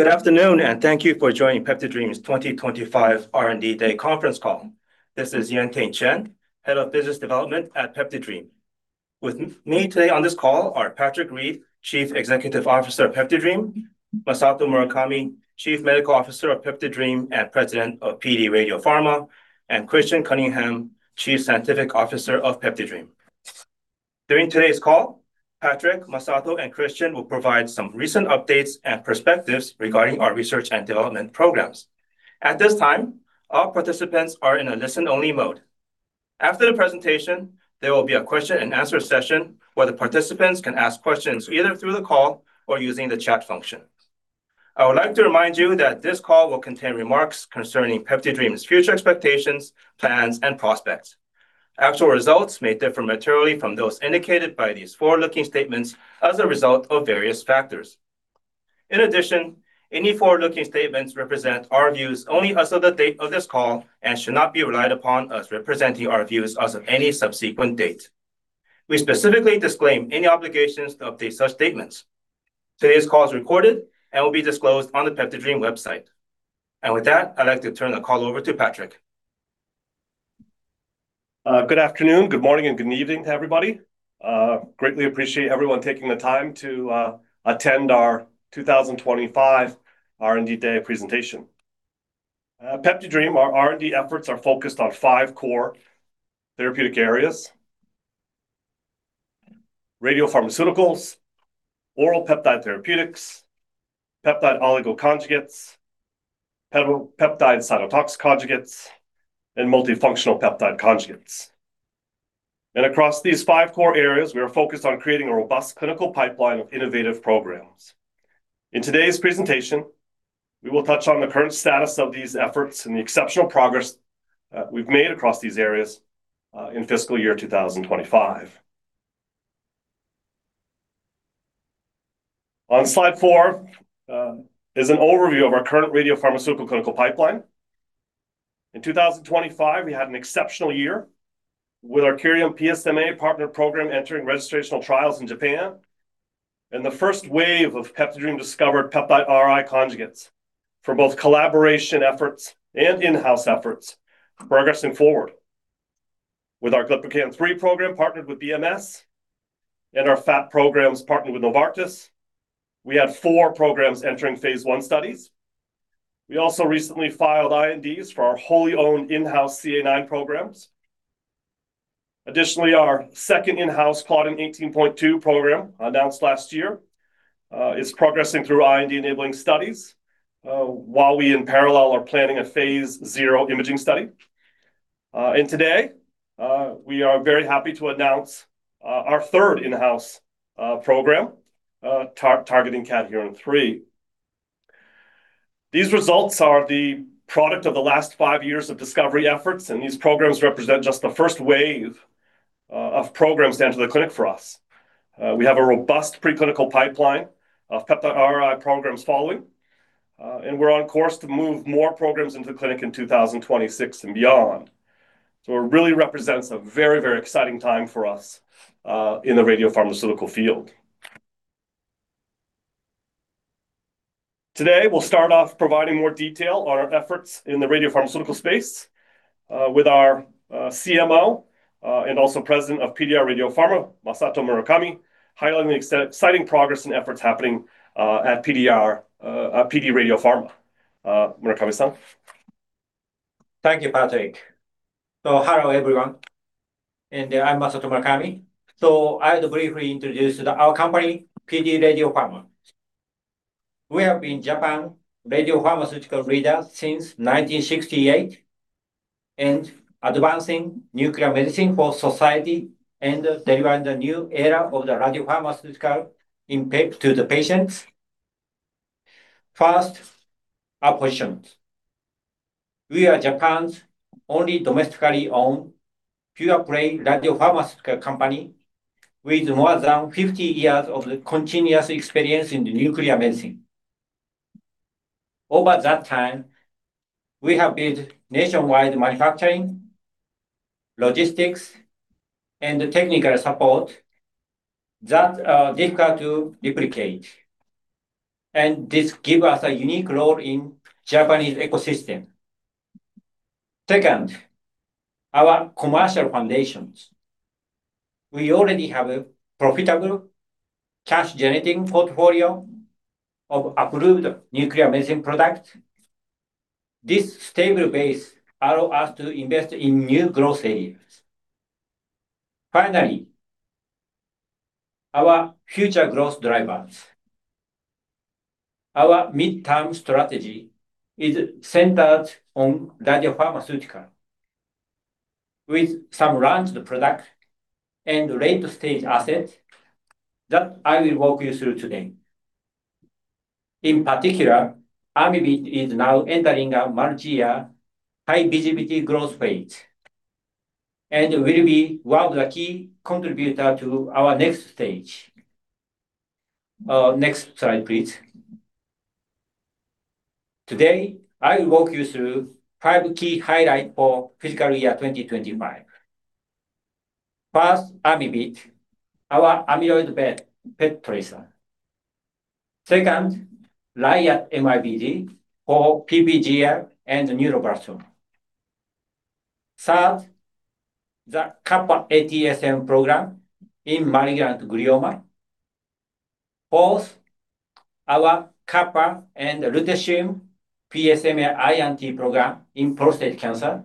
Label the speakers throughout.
Speaker 1: Good afternoon, and thank you for joining PeptiDream's 2025 R&D Day conference call. This is Yen Ting Chen, Head of Business Development at PeptiDream. With me today on this call are Patrick Reid, Chief Executive Officer of PeptiDream, Masato Murakami, Chief Medical Officer of PeptiDream and President of PDRadiopharma, and Christian Cunningham, Chief Scientific Officer of PeptiDream. During today's call, Patrick, Masato, and Christian will provide some recent updates and perspectives regarding our research and development programs. At this time, all participants are in a listen-only mode. After the presentation, there will be a question-and-answer session where the participants can ask questions either through the call or using the chat function. I would like to remind you that this call will contain remarks concerning PeptiDream's future expectations, plans, and prospects. Actual results may differ materially from those indicated by these forward-looking statements as a result of various factors. In addition, any forward-looking statements represent our views only as of the date of this call and should not be relied upon as representing our views as of any subsequent date. We specifically disclaim any obligations to update such statements. Today's call is recorded and will be disclosed on the PeptiDream website, and with that, I'd like to turn the call over to Patrick.
Speaker 2: Good afternoon, good morning, and good evening to everybody. Greatly appreciate everyone taking the time to attend our 2025 R&D Day presentation. At PeptiDream, our R&D efforts are focused on five core therapeutic areas: Radiopharmaceuticals, Peptide Oligo Conjugates, Peptide Cytotoxic Conjugates, and Multifunctional Peptide Conjugates, and across these five core areas, we are focused on creating a robust clinical pipeline of innovative programs. In today's presentation, we will touch on the current status of these efforts and the exceptional progress we've made across these areas in fiscal year 2025. On slide four is an overview of our current Radiopharmaceutical Clinical pipeline. In 2025, we had an exceptional year with our Curium PSMA partner program entering registrational trials in Japan, and the first wave of PeptiDream discovered peptide-RI conjugates for both collaboration efforts and in-house efforts progressing forward. With our Glypican-3 program partnered with BMS and our FAP programs partnered with Novartis, we had four programs Phase I studies. We also recently filed INDs for our wholly owned in-house CA9 programs. Additionally, our second in-house Claudin 18.2 program announced last year is progressing through IND enabling studies while we in parallel are planning a Phase 0 imaging study. Today, we are very happy to announce our third in-house program targeting Cadherin-3. These results are the product of the last five years of discovery efforts, and these programs represent just the first wave of programs entered the clinic for us. We have a robust preclinical pipeline of peptide-RI programs following, and we're on course to move more programs into the clinic in 2026 and beyond. It really represents a very, very exciting time for us in the radiopharmaceutical field. Today, we'll start off providing more detail on our efforts in the radiopharmaceutical space with our CMO and also President of PDRadiopharma, Masato Murakami, highlighting the exciting progress and efforts happening at PDRadiopharma. Murakami-san.
Speaker 3: Thank you, Patrick. Hello, everyone. I'm Masato Murakami. I'd briefly introduce our company, PDRadiopharma. We have been Japan's radiopharmaceutical leader since 1968 and advancing nuclear medicine for society and delivering the new era of the radiopharmaceutical impact to the patients. First, our position. We are Japan's only domestically owned pure-play radiopharmaceutical company with more than 50 years of continuous experience in nuclear medicine. Over that time, we have built nationwide manufacturing, logistics, and technical support that are difficult to replicate, and this gives us a unique role in the Japanese ecosystem. Second, our commercial foundations. We already have a profitable cash-generating portfolio of approved nuclear medicine products. This stable base allows us to invest in new growth areas. Finally, our future growth drivers. Our midterm strategy is centered on Radiopharmaceutical Clinical with some launched products and late-stage assets that I will walk you through today. In particular, Amyvid is now entering a multi-year high visibility growth phase and will be one of the key contributors to our next stage. Next slide, please. Today, I will walk you through five key highlights for fiscal year 2025. First, Amyvid, our amyloid PET tracer. Second, Raiatt MIBG for PPGL and neuroblastoma. Third, the Copper-ATSM program in malignant glioma. Fourth, our Copper and Lutetium PSMA targeted program in prostate cancer.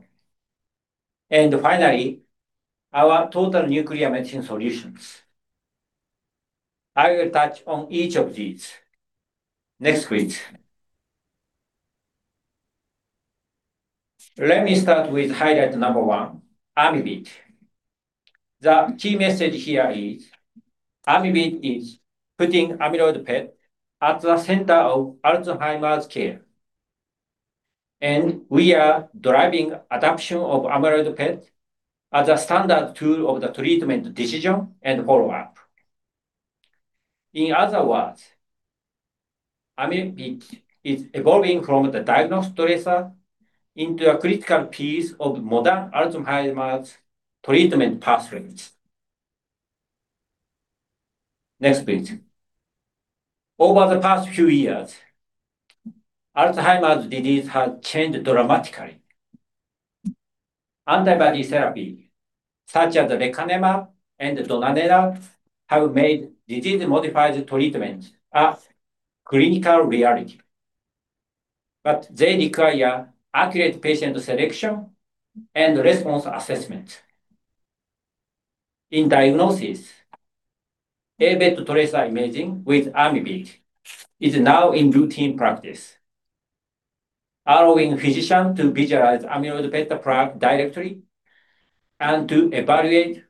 Speaker 3: And finally, our total nuclear medicine solutions. I will touch on each of these. Next, please. Let me start with highlight number one, Amyvid. The key message here is Amyvid is putting amyloid PET at the center of Alzheimer's care. And we are driving adoption of amyloid PET as a standard tool of the treatment decision and follow-up. In other words, Amyvid is evolving from the diagnostic sector into a critical piece of modern Alzheimer's treatment pathways. Next, please. Over the past few years, Alzheimer's disease has changed dramatically. Antibody therapy such as lecanemab and donanemab has made disease-modifying treatments a clinical reality. But they require accurate patient selection and response assessment. In diagnosis, Aβ tracer imaging with Amyvid is now in routine practice, allowing physicians to visualize amyloid PET directly and to evaluate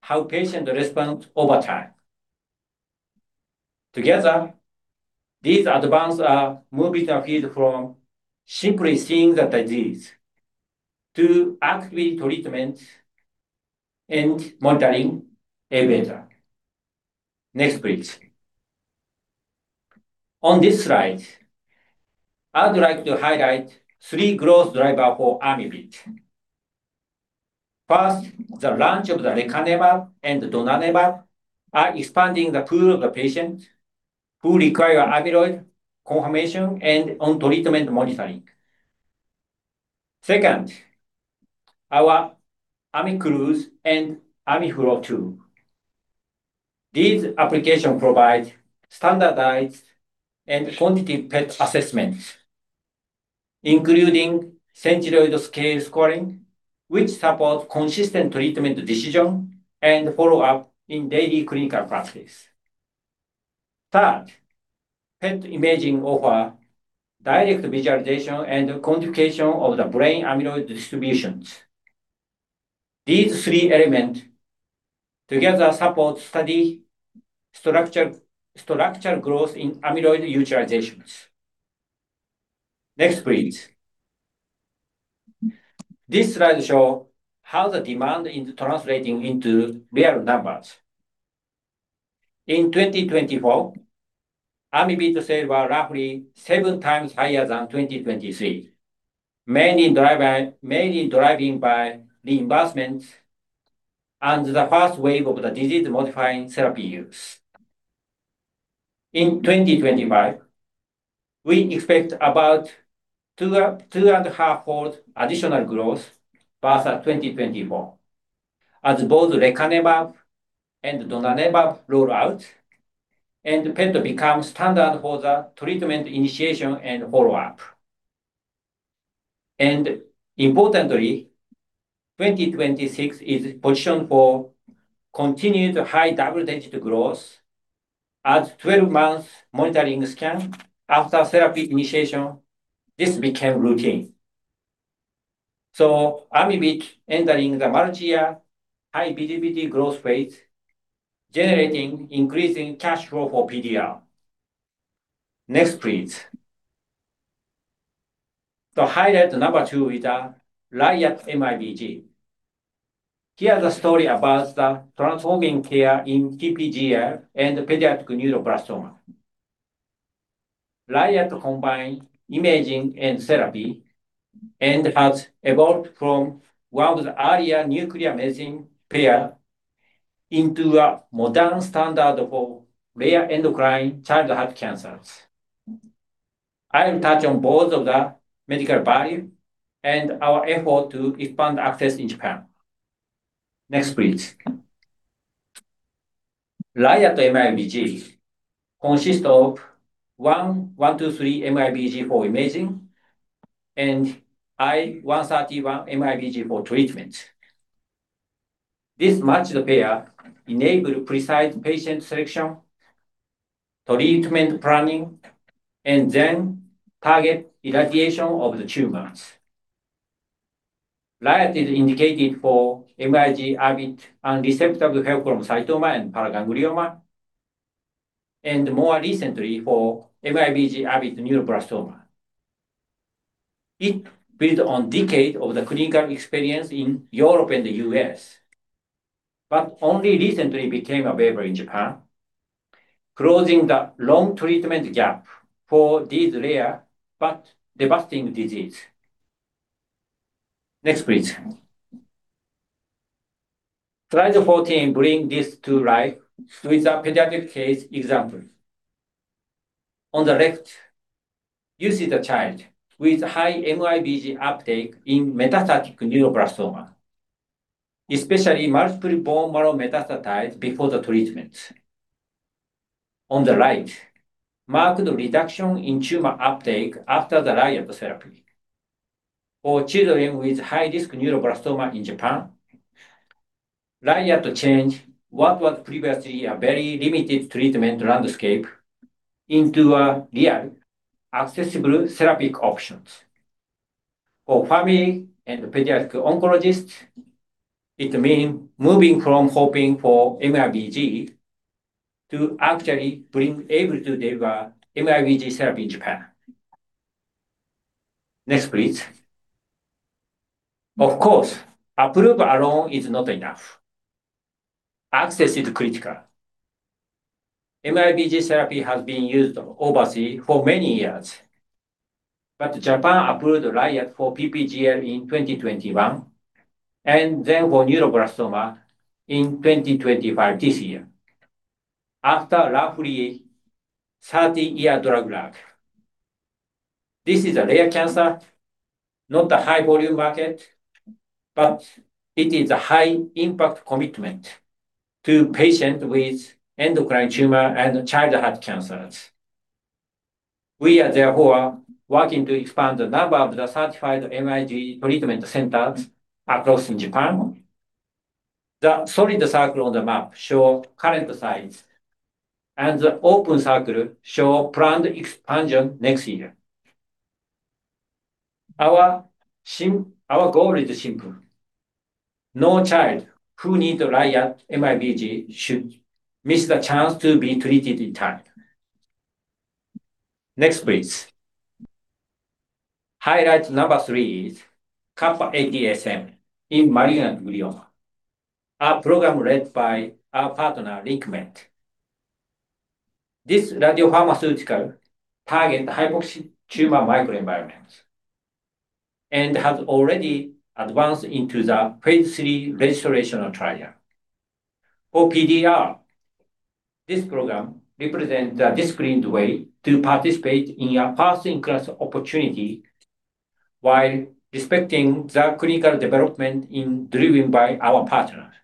Speaker 3: how patients respond over time. Together, these advances are moving the field from simply seeing the disease to active treatment and monitoring Aβ. Next, please. On this slide, I'd like to highlight three growth drivers for Amyvid. First, the launch of the lecanemab and donanemab is expanding the pool of the patients who require amyloid confirmation and on-treatment monitoring. Second, our [Amicruze] and [Amiflow II]. These applications provide standardized and quantitative PET assessments, including centiloid scale scoring, which supports consistent treatment decisions and follow-up in daily clinical practice. Third, PET imaging offers direct visualization and quantification of the brain amyloid distributions. These three elements together support study structural growth in amyloid utilizations. Next, please. This slide shows how the demand is translating into real numbers. In 2024, Amyvid sales were roughly seven times higher than 2023, mainly driven by reinvestment and the first wave of the disease-modifying therapy use. In 2025, we expect about two and a half-fold additional growth versus 2024, as both lecanemab and donanemab roll out and PET become standard for the treatment initiation and follow-up. Importantly, 2026 is positioned for continued high double-digit growth as 12-month monitoring scan after therapy initiation. This became routine. Amyvid is entering the multi-year high visibility growth phase, generating increasing cash flow for PDR. Next, please. To highlight number two with the Raiatt MIBG. Here's a story about the transforming care in PPGL and pediatric neuroblastoma. Raiatt combines imaging and therapy and has evolved from one of the earlier nuclear medicine pairs into a modern standard for rare endocrine childhood cancers. I'll touch on both of the medical value and our effort to expand access in Japan. Next, please. Raiatt MIBG consists of I-123-MIBG for imaging and I-131-MIBG for treatment. This matched pair enables precise patient selection, treatment planning, and then target irradiation of the tumors. Raiatt is indicated for MIBG-avid pheochromocytoma and paraganglioma, and more recently for MIBG-avid neuroblastoma. It built on decades of the clinical experience in Europe and the U.S., but only recently became available in Japan, closing the long treatment gap for this rare but devastating disease. Next, please. Slide 14 brings this to life with a pediatric case example. On the left, you see the child with high MIBG uptake in metastatic neuroblastoma, especially multiple bone marrow metastases before the treatment. On the right, marked reduction in tumor uptake after the Raiatt therapy. For children with high-risk neuroblastoma in Japan, Raiatt changed what was previously a very limited treatment landscape into a real accessible therapy option. For family and pediatric oncologists, it means moving from hoping for MIBG to actually being able to deliver MIBG therapy in Japan. Next, please. Of course, approval alone is not enough. Access is critical. MIBG therapy has been used overseas for many years, but Japan approved Raiatt for PPGL in 2021 and then for neuroblastoma in 2025 this year, after roughly 30-year drug lag. This is a rare cancer, not a high-volume market, but it is a high-impact commitment to patients with endocrine tumor and childhood cancers. We are, therefore, working to expand the number of the certified MIBG treatment centers across Japan. The solid circle on the map shows current size, and the open circle shows planned expansion next year. Our goal is simple. No child who needs Raiatt MIBG should miss the chance to be treated in time. Next, please. Highlight number three is Copper-ATSM in malignant glioma, a program led by our partner, LinqMed. This radiopharmaceutical targets hypoxic tumor microenvironments and has already advanced into Phase III registration trial. For PDR, this program represents a discreet way to participate in a first-in-class opportunity while respecting the clinical development driven by our partners.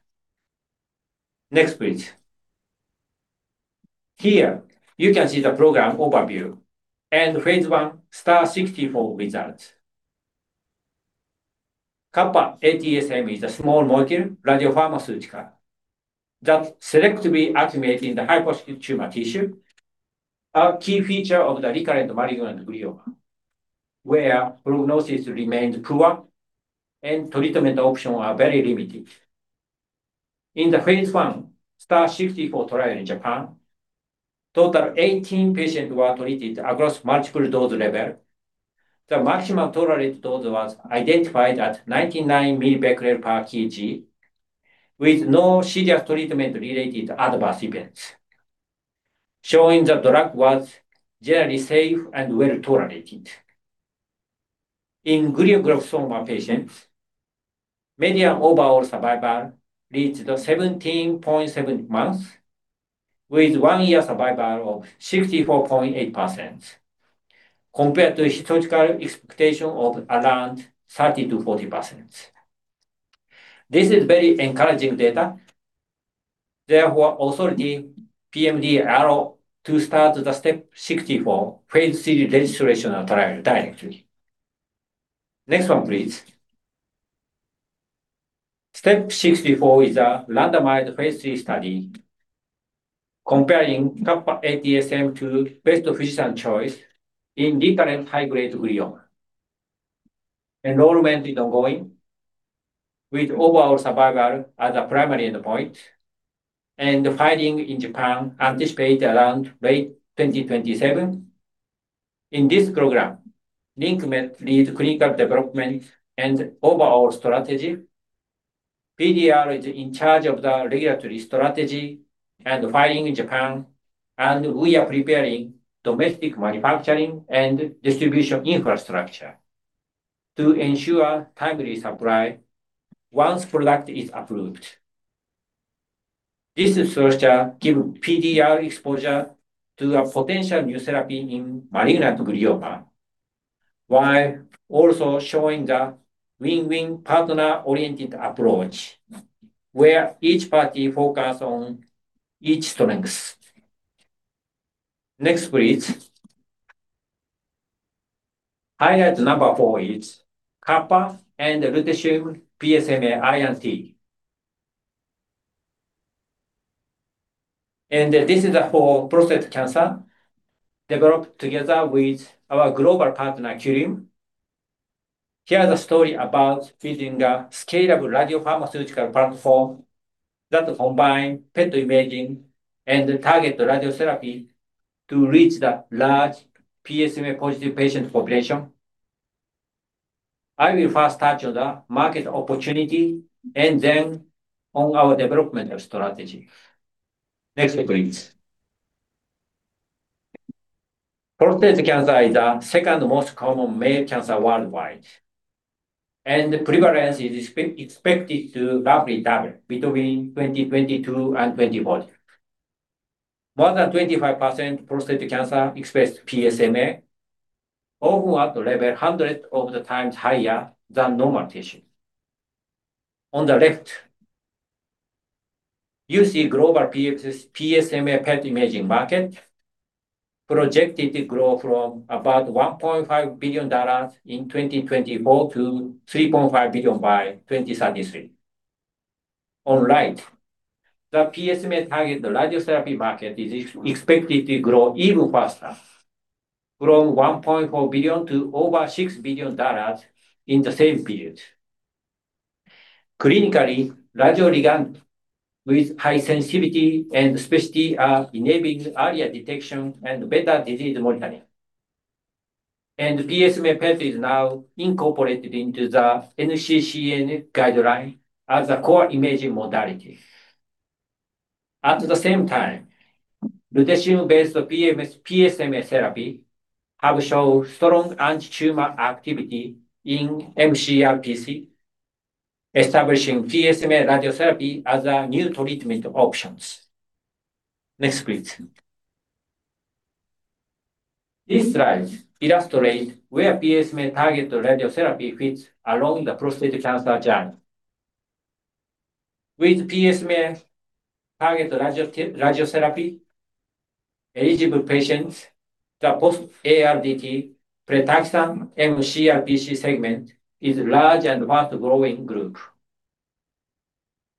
Speaker 3: Next, please. Here, you can see the program overview and STAR-64 results. Copper-ATSM is a small molecule radiopharmaceutical that selectively activates in the hypoxic tumor tissue, a key feature of the recurrent malignant glioma, where prognosis remains poor and treatment options are very limited. Phase I STAR-64 trial in Japan, a total of 18 patients were treated across multiple dose levels. The maximum tolerated dose was identified at 99 mBq/kg, with no serious treatment-related adverse events, showing the drug was generally safe and well-tolerated. In glioblastoma patients, median overall survival reached 17.7 months, with one-year survival of 64.8%, compared to the historical expectation of around 30%-40%. This is very encouraging data. Therefore, authority PMDA allowed to start the STEP-64 Phase III registration trial directly. Next one, please. STEP-64 is a randomized Phase III study comparing Copper-ATSM to best physician choice in recurrent high-grade glioma. Enrollment is ongoing, with overall survival as a primary endpoint and findings in Japan anticipated around late 2027. In this program, LinqMed leads clinical development and overall strategy. PDR is in charge of the regulatory strategy and filing in Japan, and we are preparing domestic manufacturing and distribution infrastructure to ensure timely supply once product is approved. This structure gives PDR exposure to a potential new therapy in malignant glioma, while also showing the win-win partner-oriented approach, where each party focuses on each strength. Next, please. Highlight number four is Cu and Lu-PSMA-I&T. And this is for prostate cancer developed together with our global partner, Curium. Here's a story about building a scalable radiopharmaceutical platform that combines PET imaging and target radiotherapy to reach the large PSMA-positive patient population. I will first touch on the market opportunity and then on our development strategy. Next, please. Prostate cancer is the second most common male cancer worldwide, and the prevalence is expected to roughly double between 2022 and 2040. More than 25% of prostate cancer express PSMA, often at a level 100x higher than normal tissue. On the left, you see global PSMA PET imaging market projected to grow from about $1.5 billion in 2024 to $3.5 billion by 2033. On the right, the PSMA target radiotherapy market is expected to grow even faster, from $1.4 billion to over $6 billion in the same period. Clinically, radioligands with high sensitivity and specificity are enabling earlier detection and better disease monitoring, and PSMA PET is now incorporated into the NCCN guideline as a core imaging modality. At the same time, Lutetium-based PSMA therapy has shown strong anti-tumor activity in mCRPC, establishing PSMA radiotherapy as a new treatment option. Next, please. These slides illustrate where PSMA-targeted radiotherapy fits along the prostate cancer journey. With PSMA-targeted radiotherapy, eligible patients, the post-ARPI, pre-taxane mCRPC segment is a large and fast-growing group.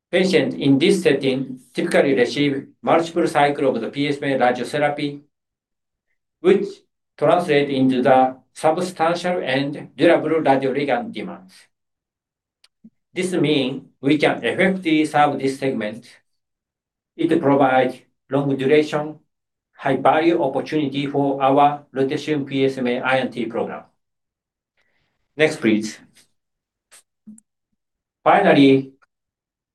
Speaker 3: Patients in this setting typically receive multiple cycles of the PSMA radiotherapy, which translates into substantial and durable radioligand demands. This means we can effectively serve this segment. It provides long-duration, high-value opportunity for our Lu-PSMA-I&T program. Next, please. Finally,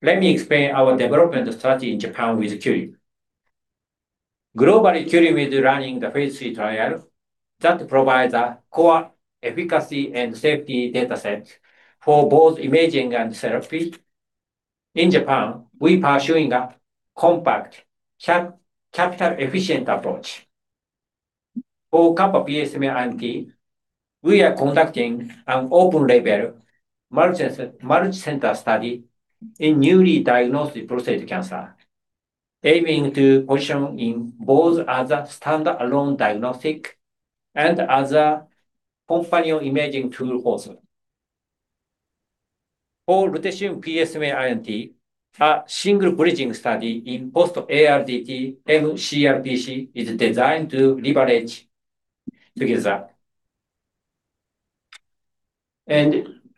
Speaker 3: let me explain our development strategy in Japan with Curium. Globally, Curium is running the Phase III trial that provides a core efficacy and safety dataset for both imaging and therapy. In Japan, we are pursuing a compact, capital-efficient approach. For Cu-PSMA-I&T, we are conducting an open-label multi-center study in newly diagnosed prostate cancer, aiming to position both as a standalone diagnostic and as a companion imaging tool also. For Lu-PSMA-I&T, a single bridging study in post-ARPI mCRPC is designed to leverage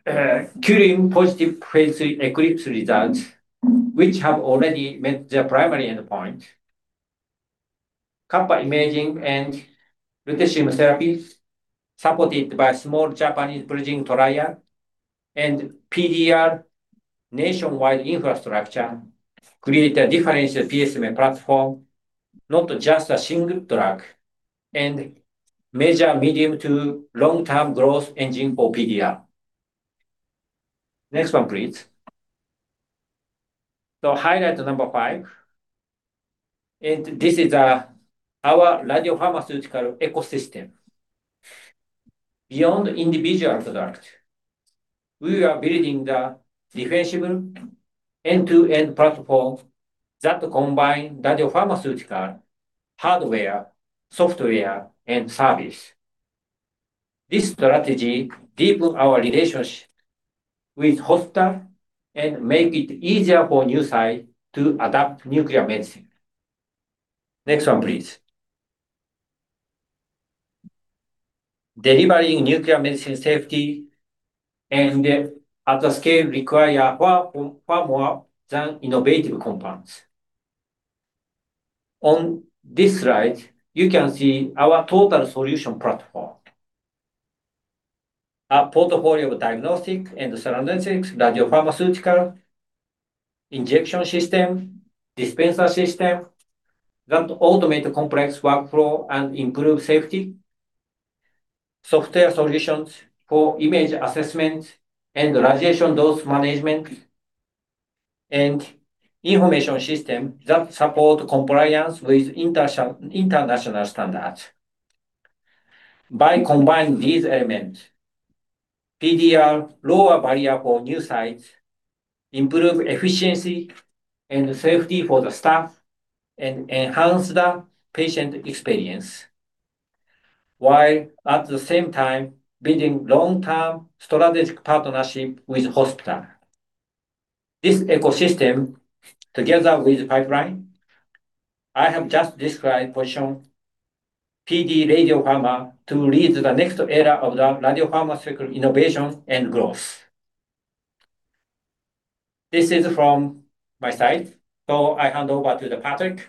Speaker 3: Phase III ECLIPSE results, which have already met their primary endpoint. PSMA imaging and Lutetium therapies, supported by a small Japanese bridging trial and PDR nationwide infrastructure, create a differentiated PSMA platform, not just a single drug, and a major medium- to long-term growth engine for PDR. Next one, please. To highlight number five, and this is our radiopharmaceutical ecosystem. Beyond the individual product, we are building the defensible end-to-end platform that combines radiopharmaceutical hardware, software, and service. This strategy deepens our relationship with hosts and makes it easier for new sites to adopt nuclear medicine. Next one, please. Delivering nuclear medicine safely and at scale requires far more than innovative compounds. On this slide, you can see our total solution platform. A portfolio of diagnostic and analytics, radiopharmaceutical injection system, dispenser system that automates complex workflows and improves safety, software solutions for image assessment and radiation dose management, and information systems that support compliance with international standards. By combining these elements, PDRadiopharma lowers barriers for new sites, improves efficiency and safety for the staff, and enhances the patient experience, while at the same time building long-term strategic partnerships with hospitals. This ecosystem, together with the pipeline I have just described, positions PDRadiopharma to lead the next era of the radiopharmaceutical innovation and growth. This is from my side, so I hand over to Patrick.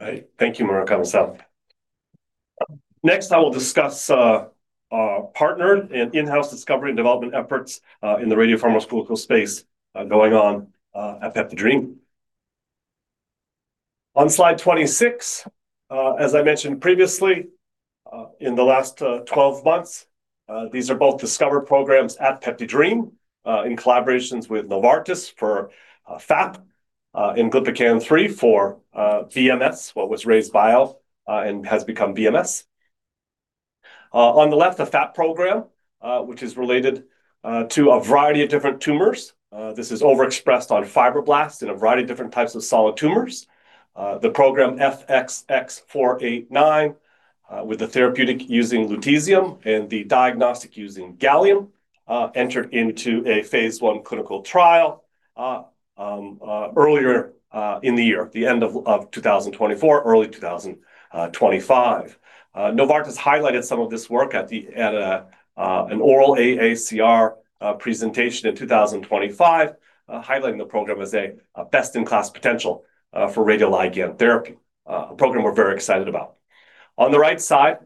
Speaker 2: All right. Thank you, Murakami-san. Next, I will discuss our partner and in-house discovery and development efforts in the radiopharmaceutical space going on at PeptiDream. On slide 26, as I mentioned previously, in the last 12 months, these are both discovered programs at PeptiDream in collaboration with Novartis for FAP and Glypican-3 for BMS, what was RayzeBio and has become BMS. On the left, a FAP program, which is related to a variety of different tumors. This is overexpressed on fibroblasts in a variety of different types of solid tumors. The program FXX489, with the therapeutic using Lutetium and the diagnostic using Gallium, entered into Phase I clinical trial earlier in the year, the end of 2024, early 2025. Novartis highlighted some of this work at an oral AACR presentation in 2025, highlighting the program as a best-in-class potential for radioligand therapy, a program we're very excited about. On the right side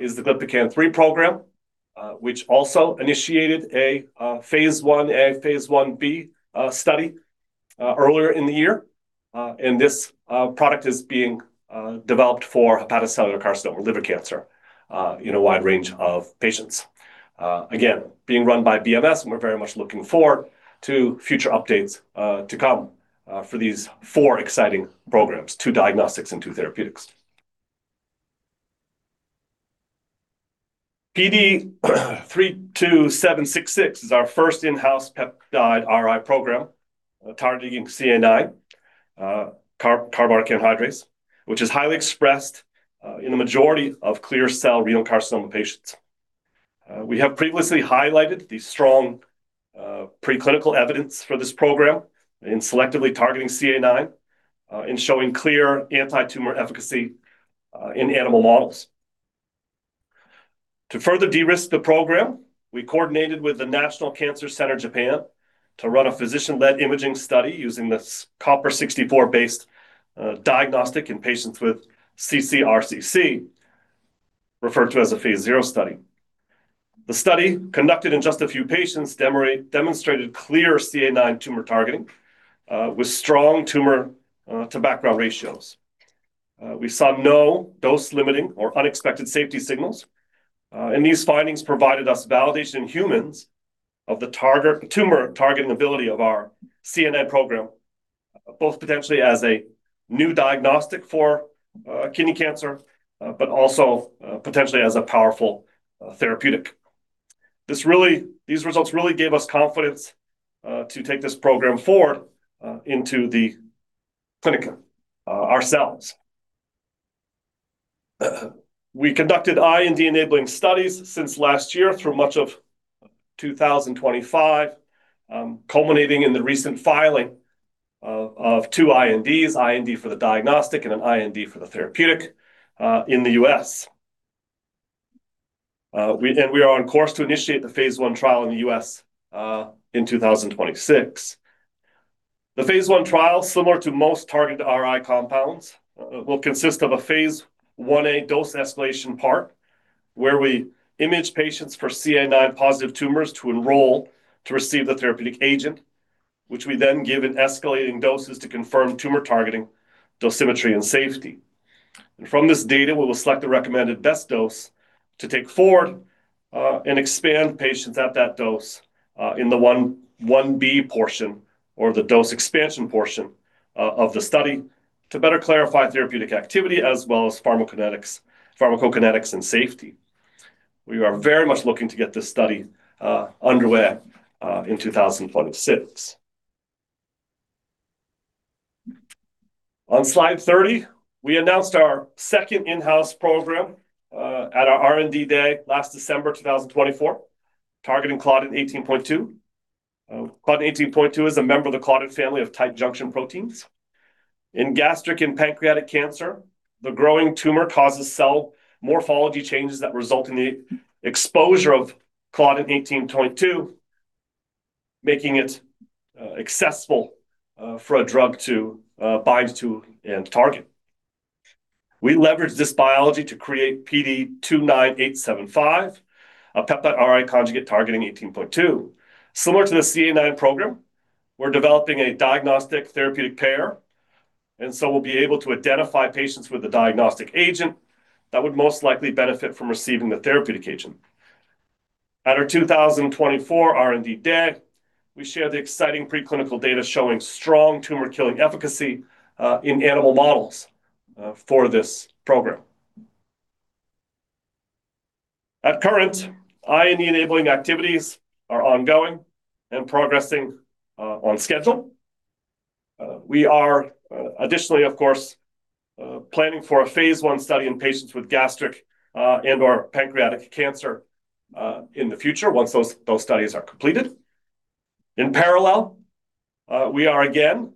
Speaker 2: is the Glypican-3 program, which also initiated Phase Ib study earlier in the year. This product is being developed for hepatocellular carcinoma, liver cancer, in a wide range of patients. Again, being run by BMS, and we're very much looking forward to future updates to come for these four exciting programs, two diagnostics and two therapeutics. PD-32766 is our first in-house peptide-RI program targeting CA9, carbonic anhydrase, which is highly expressed in the majority of clear cell renal cell carcinoma patients. We have previously highlighted the strong preclinical evidence for this program in selectively targeting CA9 and showing clear anti-tumor efficacy in animal models. To further de-risk the program, we coordinated with the National Cancer Center Japan to run a physician-led imaging study using this Cu-64-based diagnostic in patients with ccRCC, referred to as a Phase 0 study. The study, conducted in just a few patients, demonstrated clear CA9 tumor targeting with strong tumor-to-background ratios. We saw no dose-limiting or unexpected safety signals. These findings provided us validation in humans of the tumor-targeting ability of our CA9 program, both potentially as a new diagnostic for kidney cancer, but also potentially as a powerful therapeutic. These results really gave us confidence to take this program forward into the clinic ourselves. We conducted IND-enabling studies since last year through much of 2025, culminating in the recent filing of two INDs, IND for the diagnostic and an IND for the therapeutic in the U.S. We are on course to initiate Phase I trial in the U.S. in 2026. Phase I trial, similar to most targeted RI compounds, will consist Phase Ia dose escalation part where we image patients for CA9-positive tumors to enroll to receive the therapeutic agent, which we then give in escalating doses to confirm tumor targeting, dosimetry, and safety. From this data, we will select the recommended best dose to take forward and expand patients at that dose in the Ib portion or the dose expansion portion of the study to better clarify therapeutic activity as well as pharmacokinetics and safety. We are very much looking to get this study underway in 2026. On slide 30, we announced our second in-house program at our R&D Day last December 2024, targeting Claudin 18.2. Claudin 18.2 is a member of the Claudin family of tight junction proteins. In gastric and pancreatic cancer, the growing tumor causes cell morphology changes that result in the exposure of Claudin 18.2, making it accessible for a drug to bind to and target. We leverage this biology to create PD-29875, a peptide-RI conjugate targeting Claudin 18.2. Similar to the CA9 program, we're developing a diagnostic therapeutic pair, and so we'll be able to identify patients with the diagnostic agent that would most likely benefit from receiving the therapeutic agent. At our 2024 R&D Day, we share the exciting preclinical data showing strong tumor-killing efficacy in animal models for this program. Currently, IND-enabling activities are ongoing and progressing on schedule. We are additionally, of course, planning for Phase I study in patients with gastric and/or pancreatic cancer in the future once those studies are completed. In parallel, we are again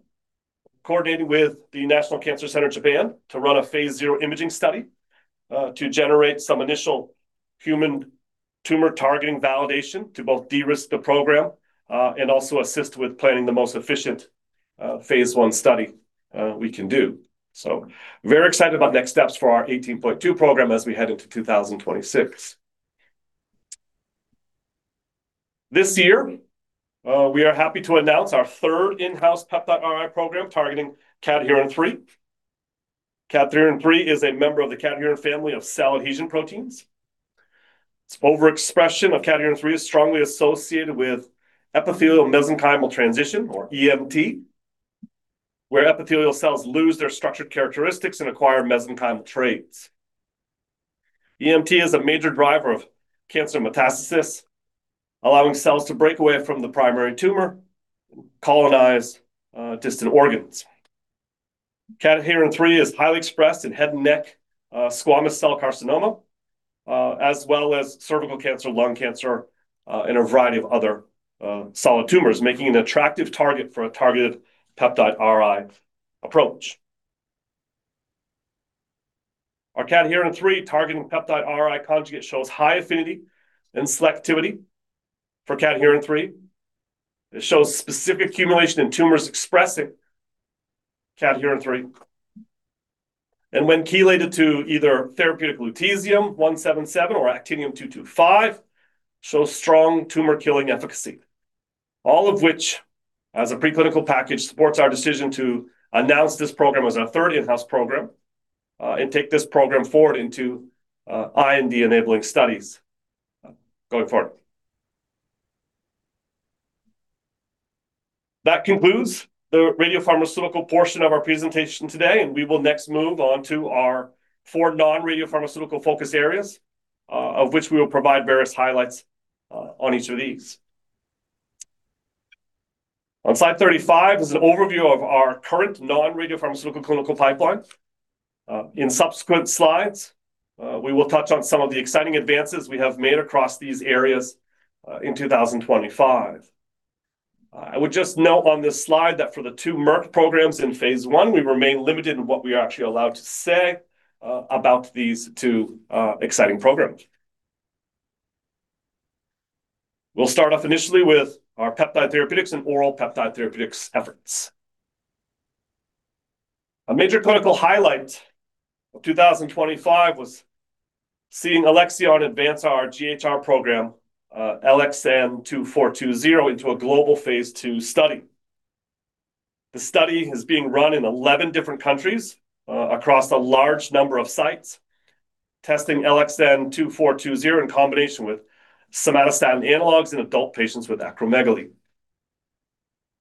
Speaker 2: coordinating with the National Cancer Center Japan to run a Phase 0 imaging study to generate some initial human tumor-targeting validation to both de-risk the program and also assist with planning the most Phase I study we can do. So very excited about next steps for our 18.2 program as we head into 2026. This year, we are happy to announce our third in-house peptide-RI program targeting Cadherin-3. Cadherin-3 is a member of the cadherin family of cell-adhesion proteins. Its overexpression of Cadherin-3 is strongly associated with epithelial-mesenchymal transition, or EMT, where epithelial cells lose their structured characteristics and acquire mesenchymal traits. EMT is a major driver of cancer metastasis, allowing cells to break away from the primary tumor and colonize distant organs. Cadherin-3 is highly expressed in head and neck squamous cell carcinoma, as well as cervical cancer, lung cancer, and a variety of other solid tumors, making it an attractive target for a targeted peptide-RI approach. Our Cadherin-3 targeting peptide-RI conjugate shows high affinity and selectivity for Cadherin-3. It shows specific accumulation in tumors expressing Cadherin-3. When chelated to either therapeutic lutetium-177 or Actinium-225, it shows strong tumor-killing efficacy, all of which, as a preclinical package, supports our decision to announce this program as our third in-house program and take this program forward into IND-enabling studies going forward. That concludes the radiopharmaceutical portion of our presentation today, and we will next move on to our four non-radiopharmaceutical focus areas, of which we will provide various highlights on each of these. On slide 35 is an overview of our current non-Radiopharmaceutical Clinical pipeline. In subsequent slides, we will touch on some of the exciting advances we have made across these areas in 2025. I would just note on this slide that for the two Merck programs Phase I, we remain limited in what we are actually allowed to say about these two exciting programs. We'll start off initially with our peptide therapeutics and oral peptide therapeutics efforts. A major clinical highlight of 2025 was seeing Alexion advance our GHR program, ALXN2420, into a Phase II study. The study is being run in 11 different countries across a large number of sites, testing ALXN2420 in combination with somatostatin analogs in adult patients with acromegaly.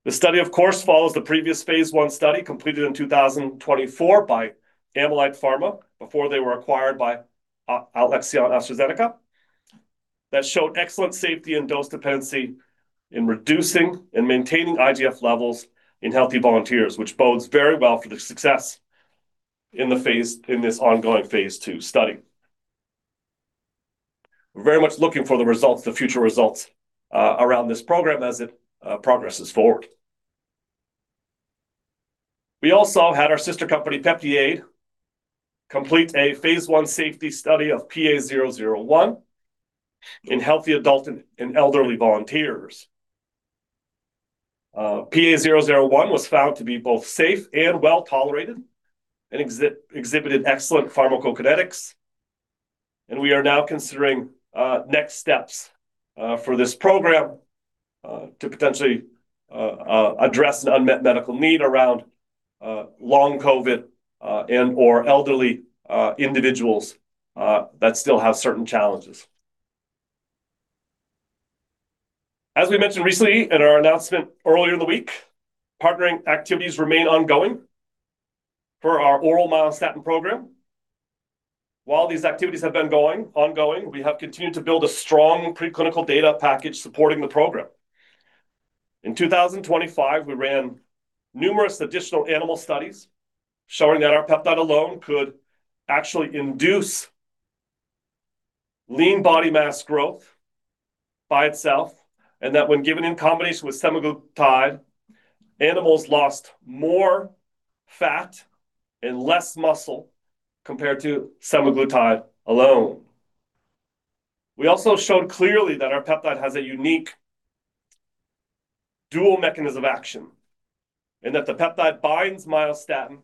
Speaker 2: The study, of course, follows the Phase I study completed in 2024 by Amolyt Pharma before they were acquired by Alexion AstraZeneca that showed excellent safety and dose dependency in reducing and maintaining IGF levels in healthy volunteers, which bodes very well for the success in this Phase II study. We're very much looking for the results, the future results around this program as it progresses forward. We also had our sister company PeptiAID complete Phase I safety study of PA-001 in healthy adult and elderly volunteers. PA-001 was found to be both safe and well tolerated and exhibited excellent pharmacokinetics, and we are now considering next steps for this program to potentially address an unmet medical need around long COVID and/or elderly individuals that still have certain challenges. As we mentioned recently in our announcement earlier in the week, partnering activities remain ongoing for our oral myostatin program. While these activities have been ongoing, we have continued to build a strong preclinical data package supporting the program. In 2025, we ran numerous additional animal studies showing that our peptide alone could actually induce lean body mass growth by itself and that when given in combination with semaglutide, animals lost more fat and less muscle compared to semaglutide alone. We also showed clearly that our peptide has a unique dual mechanism of action and that the peptide binds myostatin,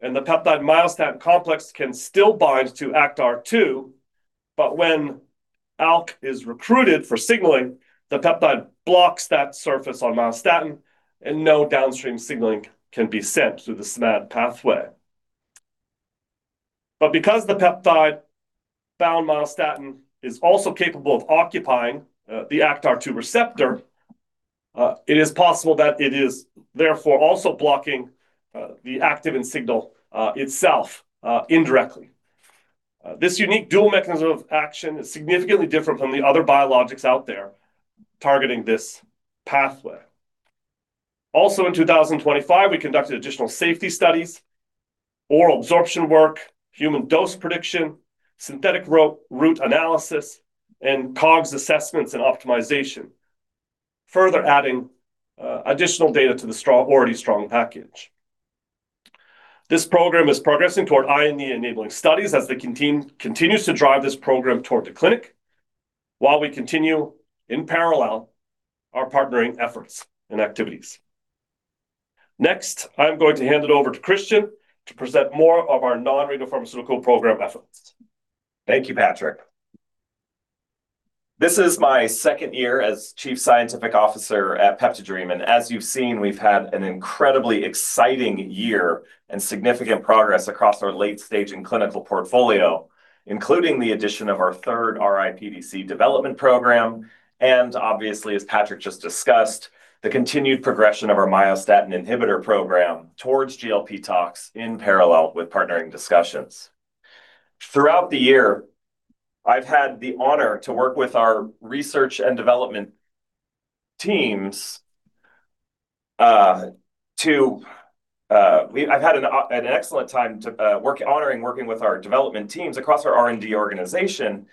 Speaker 2: and the peptide-myostatin complex can still bind to ActRII, but when ALK is recruited for signaling, the peptide blocks that surface on myostatin, and no downstream signaling can be sent through the SMAD pathway. But because the peptide-bound myostatin is also capable of occupying the ActRII receptor, it is possible that it is therefore also blocking the activin signal itself indirectly. This unique dual mechanism of action is significantly different from the other biologics out there targeting this pathway. Also, in 2025, we conducted additional safety studies, oral absorption work, human dose prediction, synthetic route analysis, and COGS assessments and optimization, further adding additional data to the already strong package. This program is progressing toward IND-enabling studies as they continue to drive this program toward the clinic while we continue in parallel our partnering efforts and activities. Next, I'm going to hand it over to Christian to present more of our non-radiopharmaceutical program efforts.
Speaker 4: Thank you, Patrick. This is my second year as Chief Scientific Officer at PeptiDream, and as you've seen, we've had an incredibly exciting year and significant progress across our late-stage clinical portfolio, including the addition of our third RI-PDC development program. And obviously, as Patrick just discussed, the continued progression of our myostatin inhibitor program towards GLP tox in parallel with partnering discussions. Throughout the year, I've had the honor to work with our research and development teams. I've had an excellent time and working with our development teams across our R&D organization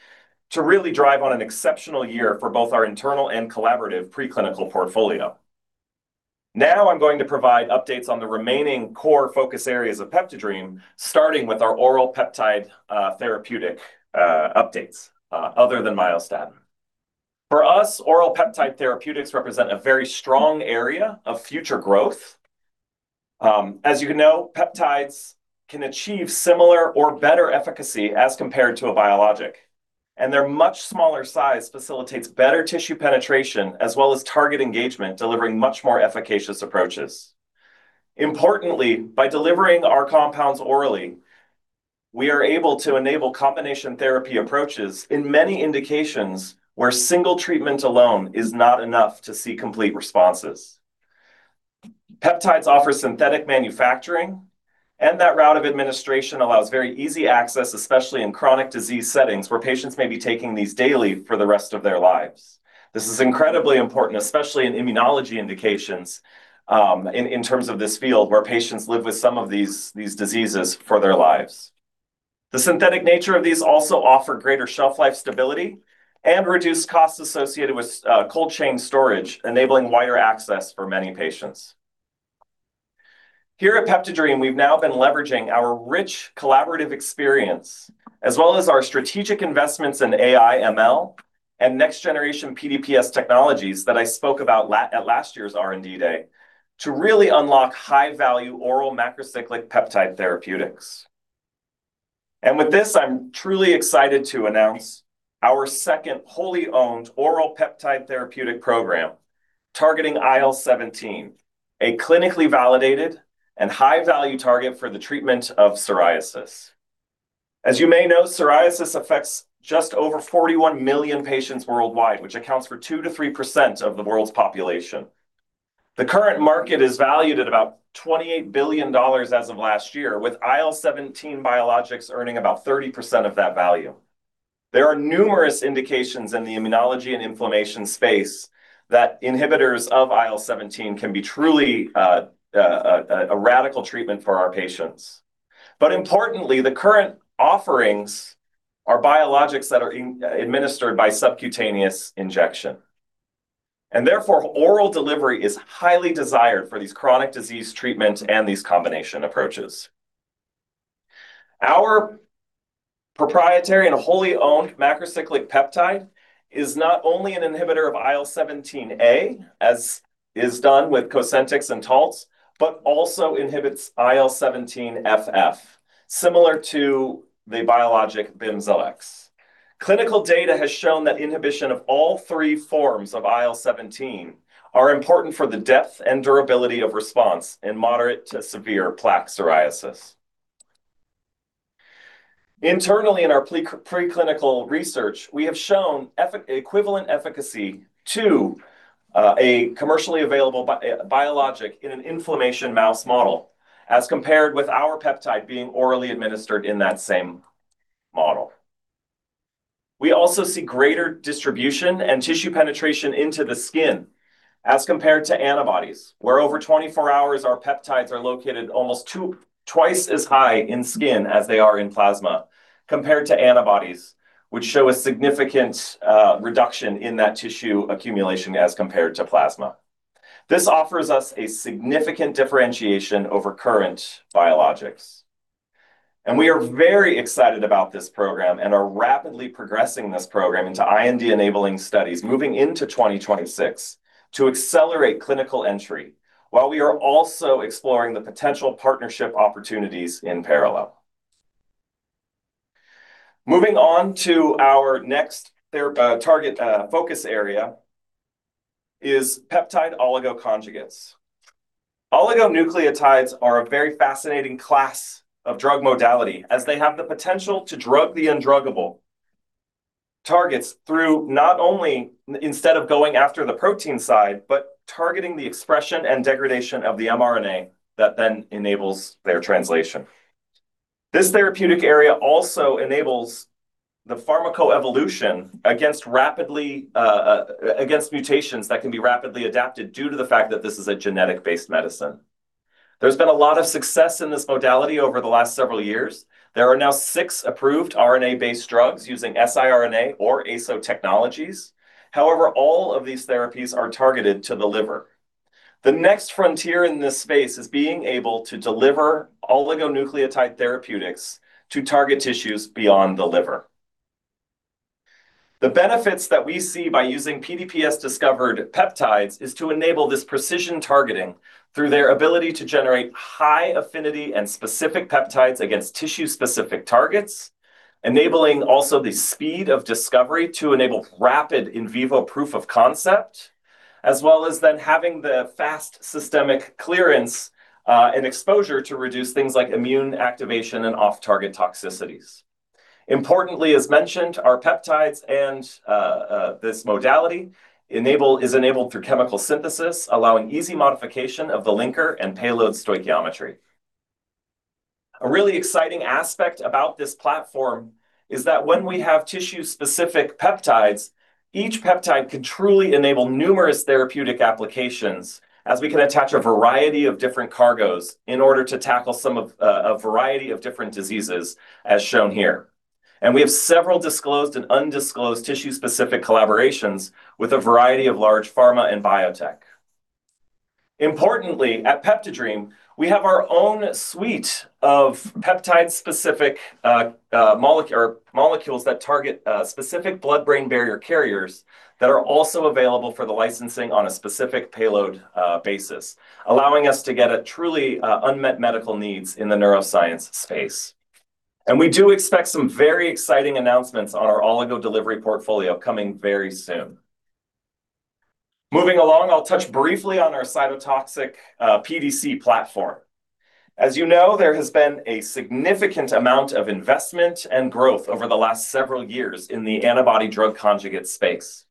Speaker 4: to really drive on an exceptional year for both our internal and collaborative preclinical portfolio. Now I'm going to provide updates on the remaining core focus areas of PeptiDream, starting with our oral peptide therapeutic updates other than myostatin. For us, oral peptide therapeutics represent a very strong area of future growth. As you know, peptides can achieve similar or better efficacy as compared to a biologic. Their much smaller size facilitates better tissue penetration as well as target engagement, delivering much more efficacious approaches. Importantly, by delivering our compounds orally, we are able to enable combination therapy approaches in many indications where single treatment alone is not enough to see complete responses. Peptides offer synthetic manufacturing, and that route of administration allows very easy access, especially in chronic disease settings where patients may be taking these daily for the rest of their lives. This is incredibly important, especially in immunology indications in terms of this field where patients live with some of these diseases for their lives. The synthetic nature of these also offers greater shelf life stability and reduced costs associated with cold chain storage, enabling wider access for many patients. Here at PeptiDream, we've now been leveraging our rich collaborative experience as well as our strategic investments in AI/ML and next-generation PDPS technologies that I spoke about at last year's R&D Day to really unlock high-value oral macrocyclic peptide therapeutics. And with this, I'm truly excited to announce our second wholly owned oral peptide therapeutic program targeting IL-17, a clinically validated and high-value target for the treatment of psoriasis. As you may know, psoriasis affects just over 41 million patients worldwide, which accounts for 2%-3% of the world's population. The current market is valued at about $28 billion as of last year, with IL-17 biologics earning about 30% of that value. There are numerous indications in the immunology and inflammation space that inhibitors of IL-17 can be truly a radical treatment for our patients. But importantly, the current offerings are biologics that are administered by subcutaneous injection. And therefore, oral delivery is highly desired for these chronic disease treatments and these combination approaches. Our proprietary and wholly owned macrocyclic peptide is not only an inhibitor of IL-17A, as is done with Cosentyx and Taltz, but also inhibits IL-17F, similar to the biologic Bimzelx. Clinical data has shown that inhibition of all three forms of IL-17 are important for the depth and durability of response in moderate to severe plaque psoriasis. Internally, in our preclinical research, we have shown equivalent efficacy to a commercially available biologic in an inflammation mouse model as compared with our peptide being orally administered in that same model. We also see greater distribution and tissue penetration into the skin as compared to antibodies, where over 24 hours, our peptides are located almost twice as high in skin as they are in plasma compared to antibodies, which show a significant reduction in that tissue accumulation as compared to plasma. This offers us a significant differentiation over current biologics. We are very excited about this program and are rapidly progressing this program into IND-enabling studies moving into 2026 to accelerate clinical entry while we are also exploring the potential partnership opportunities in parallel. Moving on to our next target focus area is peptide oligo-conjugates. Oligonucleotides are a very fascinating class of drug modality as they have the potential to drug the undruggable targets through not only instead of going after the protein side, but targeting the expression and degradation of the mRNA that then enables their translation. This therapeutic area also enables the pharmaco evolution against mutations that can be rapidly adapted due to the fact that this is a genetic-based medicine. There's been a lot of success in this modality over the last several years. There are now six approved RNA-based drugs using siRNA or ASO technologies. However, all of these therapies are targeted to the liver. The next frontier in this space is being able to deliver oligonucleotide therapeutics to target tissues beyond the liver. The benefits that we see by using PDPS-discovered peptides is to enable this precision targeting through their ability to generate high affinity and specific peptides against tissue-specific targets, enabling also the speed of discovery to enable rapid in vivo proof of concept, as well as then having the fast systemic clearance and exposure to reduce things like immune activation and off-target toxicities. Importantly, as mentioned, our peptides and this modality is enabled through chemical synthesis, allowing easy modification of the linker and payload stoichiometry. A really exciting aspect about this platform is that when we have tissue-specific peptides, each peptide can truly enable numerous therapeutic applications as we can attach a variety of different cargoes in order to tackle some of a variety of different diseases, as shown here. We have several disclosed and undisclosed tissue-specific collaborations with a variety of large pharma and biotech. Importantly, at PeptiDream, we have our own suite of peptide-specific molecules that target specific blood-brain barrier carriers that are also available for the licensing on a specific payload basis, allowing us to get at truly unmet medical needs in the neuroscience space. We do expect some very exciting announcements on our oligo delivery portfolio coming very soon. Moving along, I'll touch briefly on our cytotoxic PDC platform. As you know, there has been a significant amount of investment and growth over the last several years in the antibody-drug conjugate space.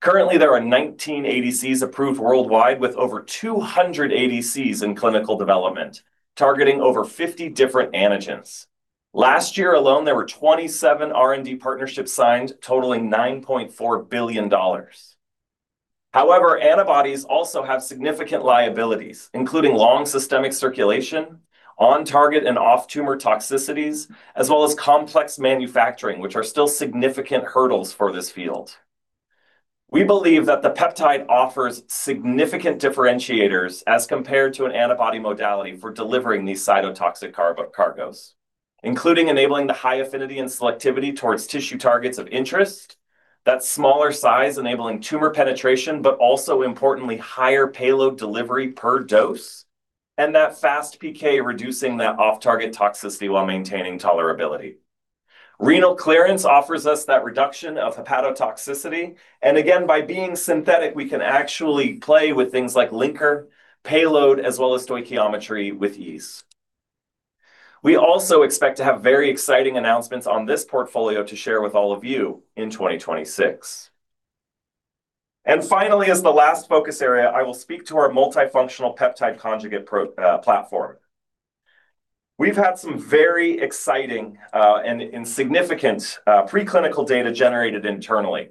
Speaker 4: Currently, there are 19 ADCs approved worldwide with over 200 ADCs in clinical development targeting over 50 different antigens. Last year alone, there were 27 R&D partnerships signed totaling $9.4 billion. However, antibodies also have significant liabilities, including long systemic circulation, on-target and off-tumor toxicities, as well as complex manufacturing, which are still significant hurdles for this field. We believe that the peptide offers significant differentiators as compared to an antibody modality for delivering these cytotoxic cargoes, including enabling the high affinity and selectivity towards tissue targets of interest, that smaller size enabling tumor penetration, but also importantly, higher payload delivery per dose, and that fast PK reducing that off-target toxicity while maintaining tolerability. Renal clearance offers us that reduction of hepatotoxicity. And again, by being synthetic, we can actually play with things like linker, payload, as well as stoichiometry with ease. We also expect to have very exciting announcements on this portfolio to share with all of you in 2026. And finally, as the last focus area, I will speak to our multifunctional peptide conjugate platform. We've had some very exciting and significant preclinical data generated internally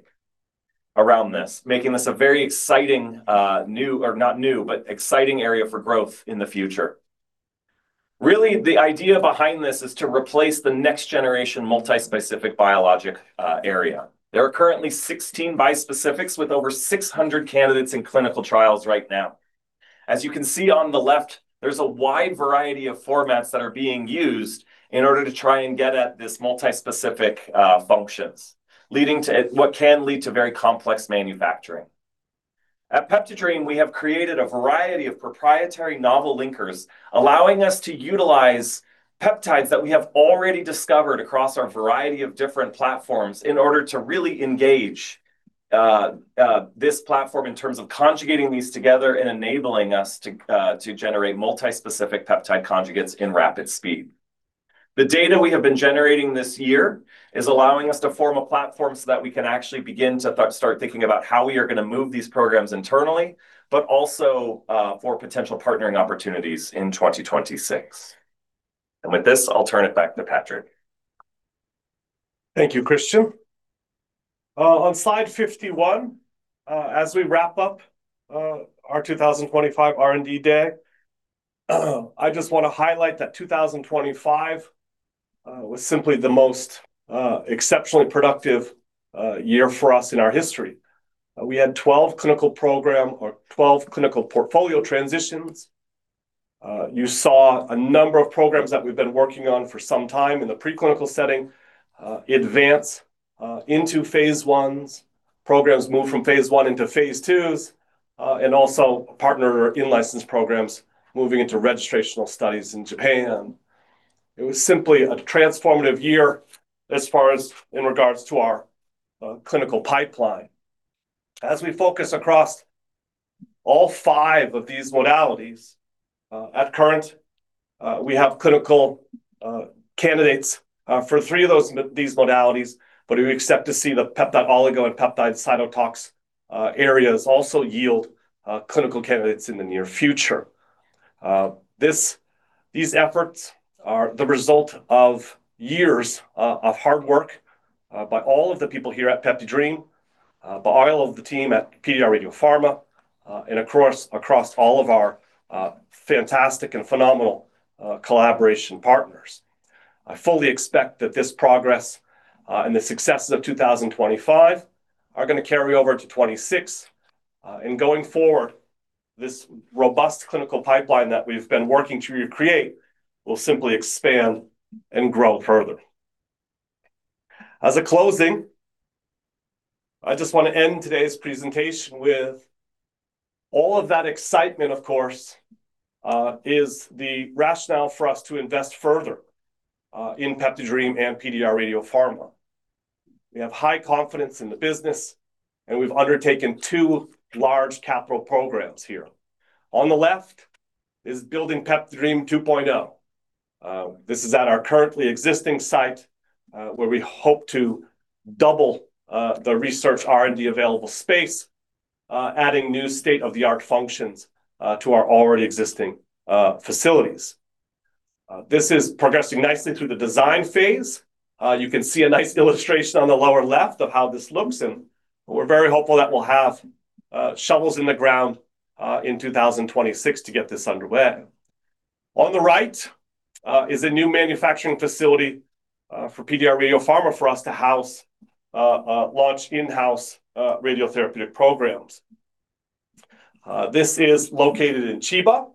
Speaker 4: around this, making this a very exciting new, or not new, but exciting area for growth in the future. Really, the idea behind this is to replace the next-generation multispecific biologic area. There are currently 16 bispecifics with over 600 candidates in clinical trials right now. As you can see on the left, there's a wide variety of formats that are being used in order to try and get at these multispecific functions, leading to what can lead to very complex manufacturing. At PeptiDream, we have created a variety of proprietary novel linkers, allowing us to utilize peptides that we have already discovered across our variety of different platforms in order to really engage this platform in terms of conjugating these together and enabling us to generate multispecific peptide conjugates in rapid speed. The data we have been generating this year is allowing us to form a platform so that we can actually begin to start thinking about how we are going to move these programs internally, but also for potential partnering opportunities in 2026, and with this, I'll turn it back to Patrick.
Speaker 2: Thank you, Christian. On slide 51, as we wrap up our 2025 R&D Day, I just want to highlight that 2025 was simply the most exceptionally productive year for us in our history. We had 12 clinical programs or 12 clinical portfolio transitions. You saw a number of programs that we've been working on for some time in the preclinical setting advance Phase Is, programs move Phase IIs, and also partner in-license programs moving into registrational studies in Japan. It was simply a transformative year as far as in regards to our clinical pipeline. As we focus across all five of these modalities, at current, we have clinical candidates for three of these modalities, but we expect to see the peptide oligo and peptide cytotox areas also yield clinical candidates in the near future. These efforts are the result of years of hard work by all of the people here at PeptiDream, by all of the team at PDRadiopharma, and across all of our fantastic and phenomenal collaboration partners. I fully expect that this progress and the successes of 2025 are going to carry over to 2026. And going forward, this robust clinical pipeline that we've been working to create will simply expand and grow further. As a closing, I just want to end today's presentation with all of that excitement, of course, is the rationale for us to invest further in PeptiDream and PDRadiopharma. We have high confidence in the business, and we've undertaken two large capital programs here. On the left is building PeptiDream 2.0. This is at our currently existing site where we hope to double the research R&D available space, adding new state-of-the-art functions to our already existing facilities. This is progressing nicely through the design phase. You can see a nice illustration on the lower left of how this looks. And we're very hopeful that we'll have shovels in the ground in 2026 to get this underway. On the right is a new manufacturing facility for PDRadiopharma for us to house launch in-house radiotherapeutic programs. This is located in Chiba,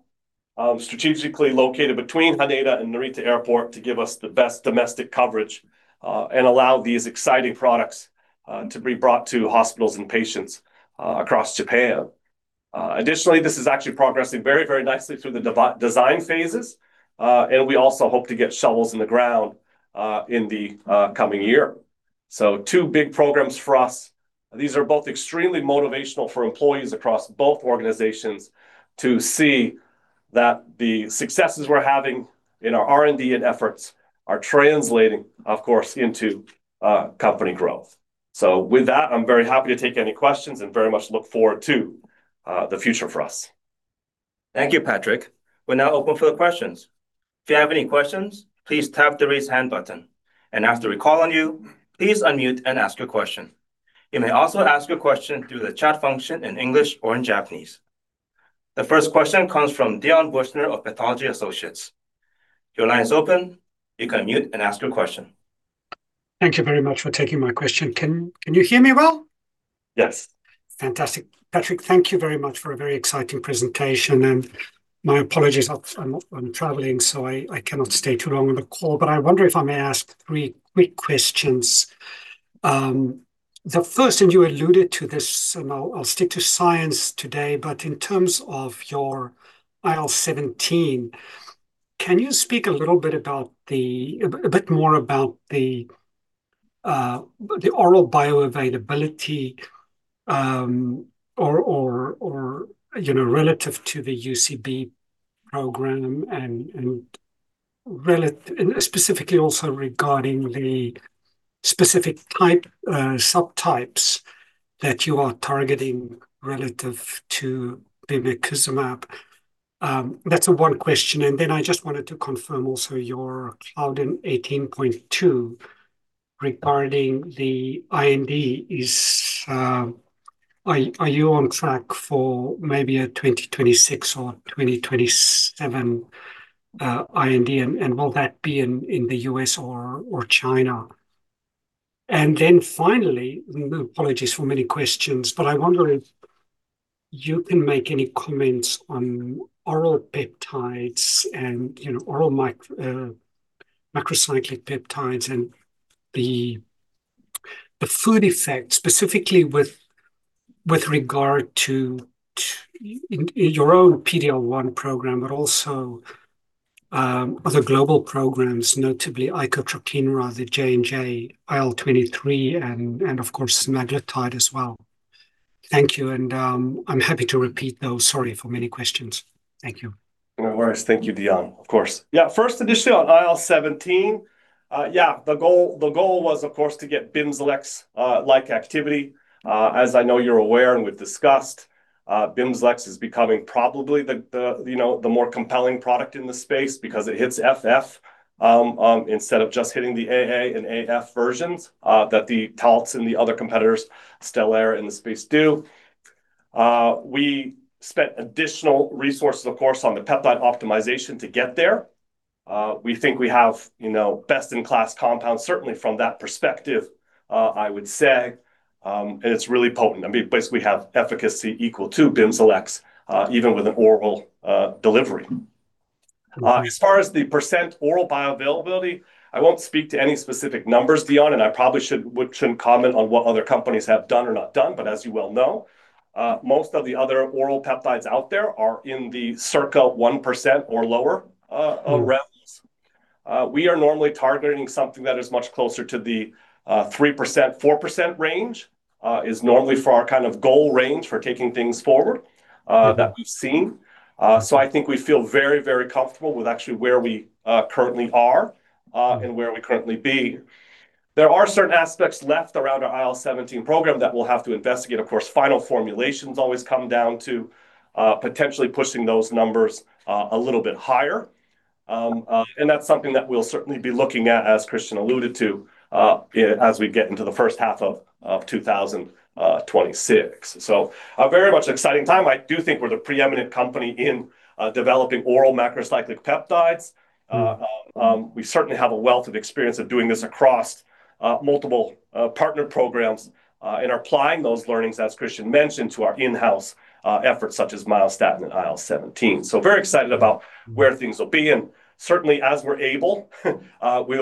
Speaker 2: strategically located between Haneda and Narita Airport to give us the best domestic coverage and allow these exciting products to be brought to hospitals and patients across Japan. Additionally, this is actually progressing very, very nicely through the design phases, and we also hope to get shovels in the ground in the coming year, so two big programs for us. These are both extremely motivational for employees across both organizations to see that the successes we're having in our R&D and efforts are translating, of course, into company growth, so with that, I'm very happy to take any questions and very much look forward to the future for us.
Speaker 1: Thank you, Patrick. We're now open for the questions. If you have any questions, please tap the raise hand button, and after we call on you, please unmute and ask your question. You may also ask your question through the chat function in English or in Japanese. The first question comes from Dion Büchner of Pathology Associates. Your line is open. You can unmute and ask your question.
Speaker 5: Thank you very much for taking my question. Can you hear me well?
Speaker 2: Yes.
Speaker 5: Fantastic. Patrick, thank you very much for a very exciting presentation. And my apologies, I'm traveling, so I cannot stay too long on the call, but I wonder if I may ask three quick questions. The first, and you alluded to this, and I'll stick to science today, but in terms of your IL-17, can you speak a little bit more about the oral bioavailability or relative to the UCB program and specifically also regarding the specific subtypes that you are targeting relative to bimekizumab? That's the one question. And then I just wanted to confirm also your Claudin 18.2 regarding the IND. Are you on track for maybe a 2026 or 2027 IND, and will that be in the U.S. or China? And then finally, apologies for many questions, but I wonder if you can make any comments on oral peptides and oral macrocyclic peptides and the food effect, specifically with regard to your own PD-L1 program, but also other global programs, notably icotrokinra, the J&J IL-23, and of course, semaglutide as well. Thank you. And I'm happy to repeat those. Sorry for many questions. Thank you.
Speaker 2: No worries. Thank you, Dion. Of course. First, initially on IL-17, yeah, the goal was, of course, to get Bimzelx-like activity. As I know you're aware and we've discussed, Bimzelx is becoming probably the more compelling product in the space because it hits FF instead of just hitting the AA and AF versions that the Taltz and the other competitors, Stelara, in this space do. We spent additional resources, of course, on the peptide optimization to get there. We think we have best-in-class compounds, certainly from that perspective, I would say, and it's really potent. I mean, basically, we have efficacy equal to Bimzelx, even with an oral delivery. As far as the percent oral bioavailability, I won't speak to any specific numbers, Dion, and I probably shouldn't comment on what other companies have done or not done, but as you well know, most of the other oral peptides out there are in the circa 1% or lower realms. We are normally targeting something that is much closer to the 3%, 4% range, is normally for our kind of goal range for taking things forward that we've seen. I think we feel very, very comfortable with actually where we currently are and where we currently be. There are certain aspects left around our IL-17 program that we'll have to investigate. Of course, final formulations always come down to potentially pushing those numbers a little bit higher. And that's something that we'll certainly be looking at, as Christian alluded to, as we get into the first half of 2026. So a very much exciting time. I do think we're the preeminent company in developing oral macrocyclic peptides. We certainly have a wealth of experience of doing this across multiple partner programs and applying those learnings, as Christian mentioned, to our in-house efforts such as myostatin and IL-17. So very excited about where things will be. And certainly, as we're able, we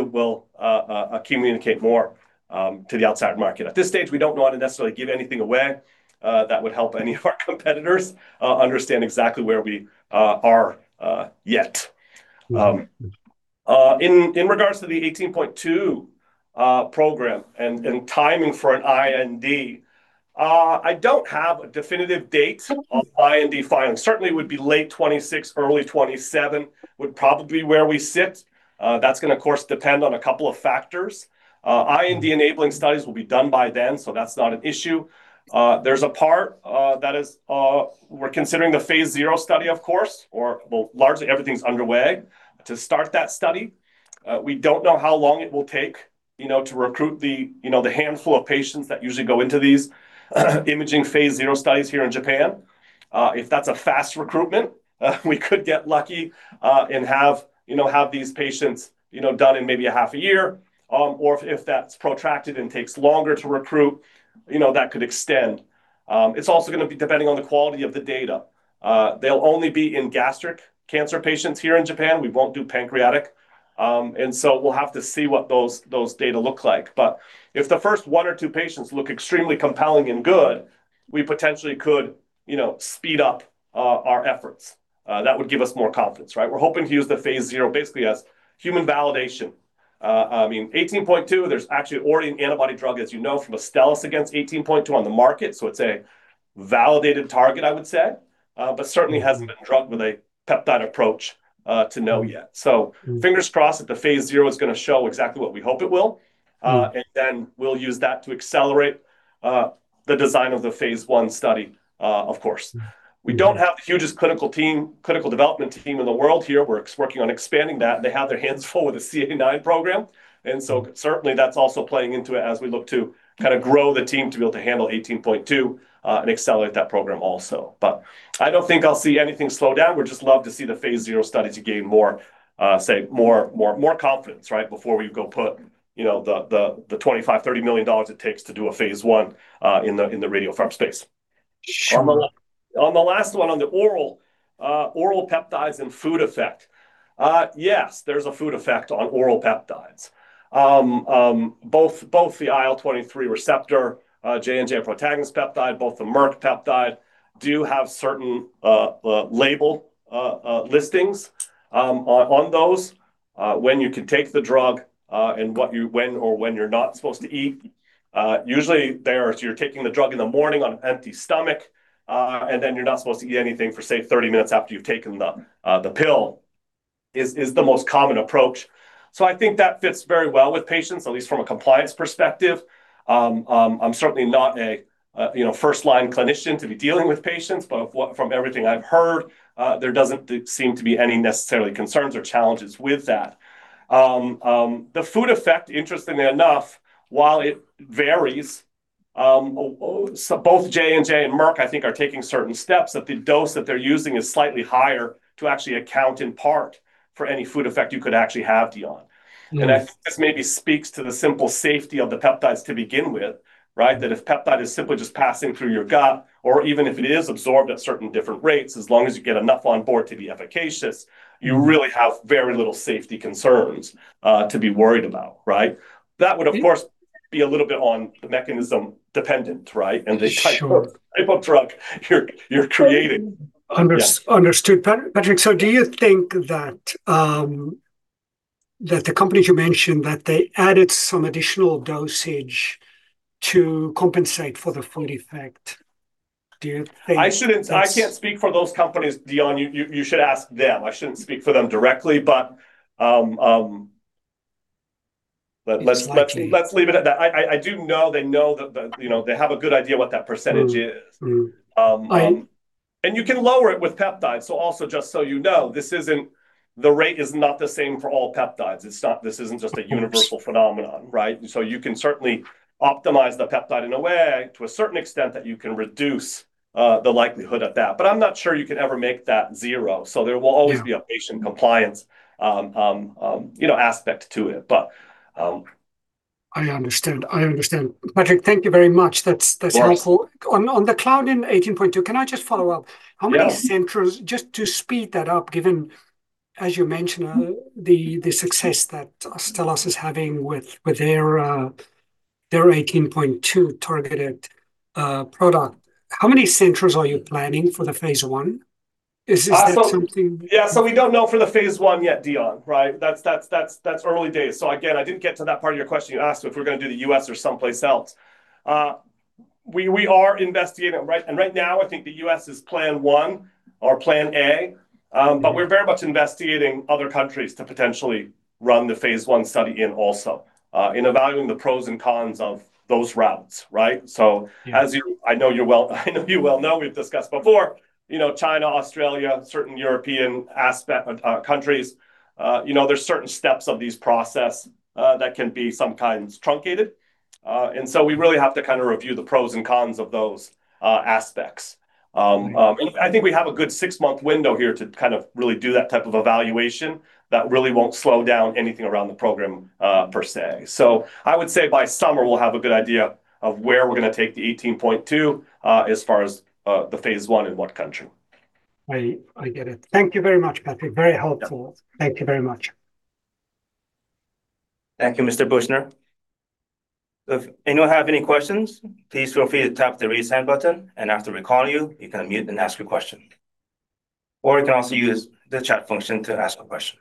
Speaker 2: will communicate more to the outside market. At this stage, we don't know how to necessarily give anything away that would help any of our competitors understand exactly where we are yet. In regards to the 18.2 program and timing for an IND, I don't have a definitive date of IND filing. Certainly, it would be late 2026, early 2027 would probably be where we sit. That's going to, of course, depend on a couple of factors. IND enabling studies will be done by then, so that's not an issue. There's a part that is we're considering the Phase 0 study, of course, or well, largely everything's underway to start that study. We don't know how long it will take to recruit the handful of patients that usually go into these imaging Phase 0 studies here in Japan. If that's a fast recruitment, we could get lucky and have these patients done in maybe a half a year. Or if that's protracted and takes longer to recruit, that could extend. It's also going to be depending on the quality of the data. They'll only be in gastric cancer patients here in Japan. We won't do pancreatic, and so we'll have to see what those data look like, but if the first one or two patients look extremely compelling and good, we potentially could speed up our efforts. That would give us more confidence, right? We're hoping to use the Phase 0 basically as human validation. I mean, 18.2, there's actually already an antibody drug, as you know, from Astellas against 18.2 on the market. So it's a validated target, I would say, but certainly hasn't been drugged with a peptide approach to know yet, so fingers crossed that the Phase 0 is going to show exactly what we hope it will, and then we'll use that to accelerate the design of Phase I study, of course. We don't have the hugest clinical development team in the world here. We're working on expanding that. They have their hands full with the CA9 program. And so certainly, that's also playing into it as we look to kind of grow the team to be able to handle 18.2 and accelerate that program also. But I don't think I'll see anything slow down. We'd just love to see the Phase 0 studies to gain more, say, more confidence, right, before we go put the $25 million-$30 million it takes to do Phase I in the radiopharma space. On the last one, on the oral peptides and food effect, yes, there's a food effect on oral peptides. Both the IL-23 receptor, J&J Protagonist peptide, both the Merck peptide do have certain label listings on those when you can take the drug and when or when you're not supposed to eat. Usually, you're taking the drug in the morning on an empty stomach, and then you're not supposed to eat anything for, say, 30 minutes after you've taken the pill. That's the most common approach. So I think that fits very well with patients, at least from a compliance perspective. I'm certainly not a first-line clinician to be dealing with patients, but from everything I've heard, there doesn't seem to be any necessary concerns or challenges with that. The food effect, interestingly enough, while it varies, both J&J and Merck, I think, are taking certain steps that the dose that they're using is slightly higher to actually account in part for any food effect you could actually have, Dion. I think this maybe speaks to the simple safety of the peptides to begin with, right, that if peptide is simply just passing through your gut, or even if it is absorbed at certain different rates, as long as you get enough on board to be efficacious, you really have very little safety concerns to be worried about, right? That would, of course, be a little bit on the mechanism dependent, right, and the type of drug you're creating.
Speaker 5: Understood. Patrick, so do you think that the company you mentioned, that they added some additional dosage to compensate for the food effect? Do you think?
Speaker 2: I can't speak for those companies, Dion. You should ask them. I shouldn't speak for them directly, but let's leave it at that. I do know they know that they have a good idea what that percentage is. You can lower it with peptides. So also, just so you know, the rate is not the same for all peptides. This isn't just a universal phenomenon, right? So you can certainly optimize the peptide in a way to a certain extent that you can reduce the likelihood of that. But I'm not sure you can ever make that zero. So there will always be a patient compliance aspect to it, but.
Speaker 5: I understand. Patrick, thank you very much. That's helpful. On the Claudin 18.2, can I just follow up? How many centers, just to speed that up, given, as you mentioned, the success that Astellas is having with their 18.2 targeted product, how many centers are you planning for Phase I? is that something?
Speaker 2: Yeah. So we don't know for Phase I yet, Dion, right? That's early days. So again, I didn't get to that part of your question. You asked if we're going to do the U.S. or someplace else. We are investigating, right? And right now, I think the U.S. is plan one or plan A, but we're very much investigating other countries to potentially run Phase I study in also in evaluating the pros and cons of those routes, right? So as you I know you well know, we've discussed before, China, Australia, certain European countries, there's certain steps of these processes that can be sometimes truncated. And so we really have to kind of review the pros and cons of those aspects. I think we have a good six-month window here to kind of really do that type of evaluation that really won't slow down anything around the program per se. So I would say by summer, we'll have a good idea of where we're going to take the 18.2 as far as Phase I in what country.
Speaker 5: I get it. Thank you very much, Patrick. Very helpful. Thank you very much.
Speaker 1: Thank you, Mr. Büchner. If anyone have any questions, please feel free to tap the raise hand button. And after we call you, you can unmute and ask your question. Or you can also use the chat function to ask a question.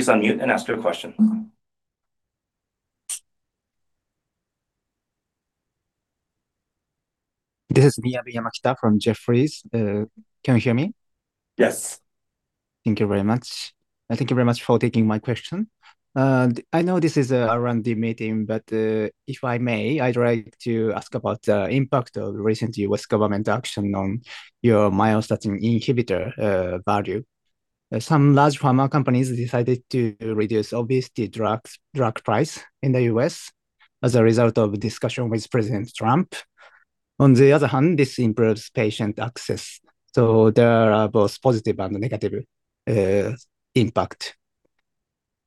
Speaker 1: Please unmute and ask your question.
Speaker 6: This is Miyabi Yamakita from Jefferies. Can you hear me?
Speaker 2: Yes.
Speaker 6: Thank you very much. Thank you very much for taking my question. I know this is a R&D meeting, but if I may, I'd like to ask about the impact of recent U.S. government action on your myostatin inhibitor value. Some large pharma companies decided to reduce obesity drug price in the U.S. as a result of discussion with President Trump. On the other hand, this improves patient access. So there are both positive and negative impact.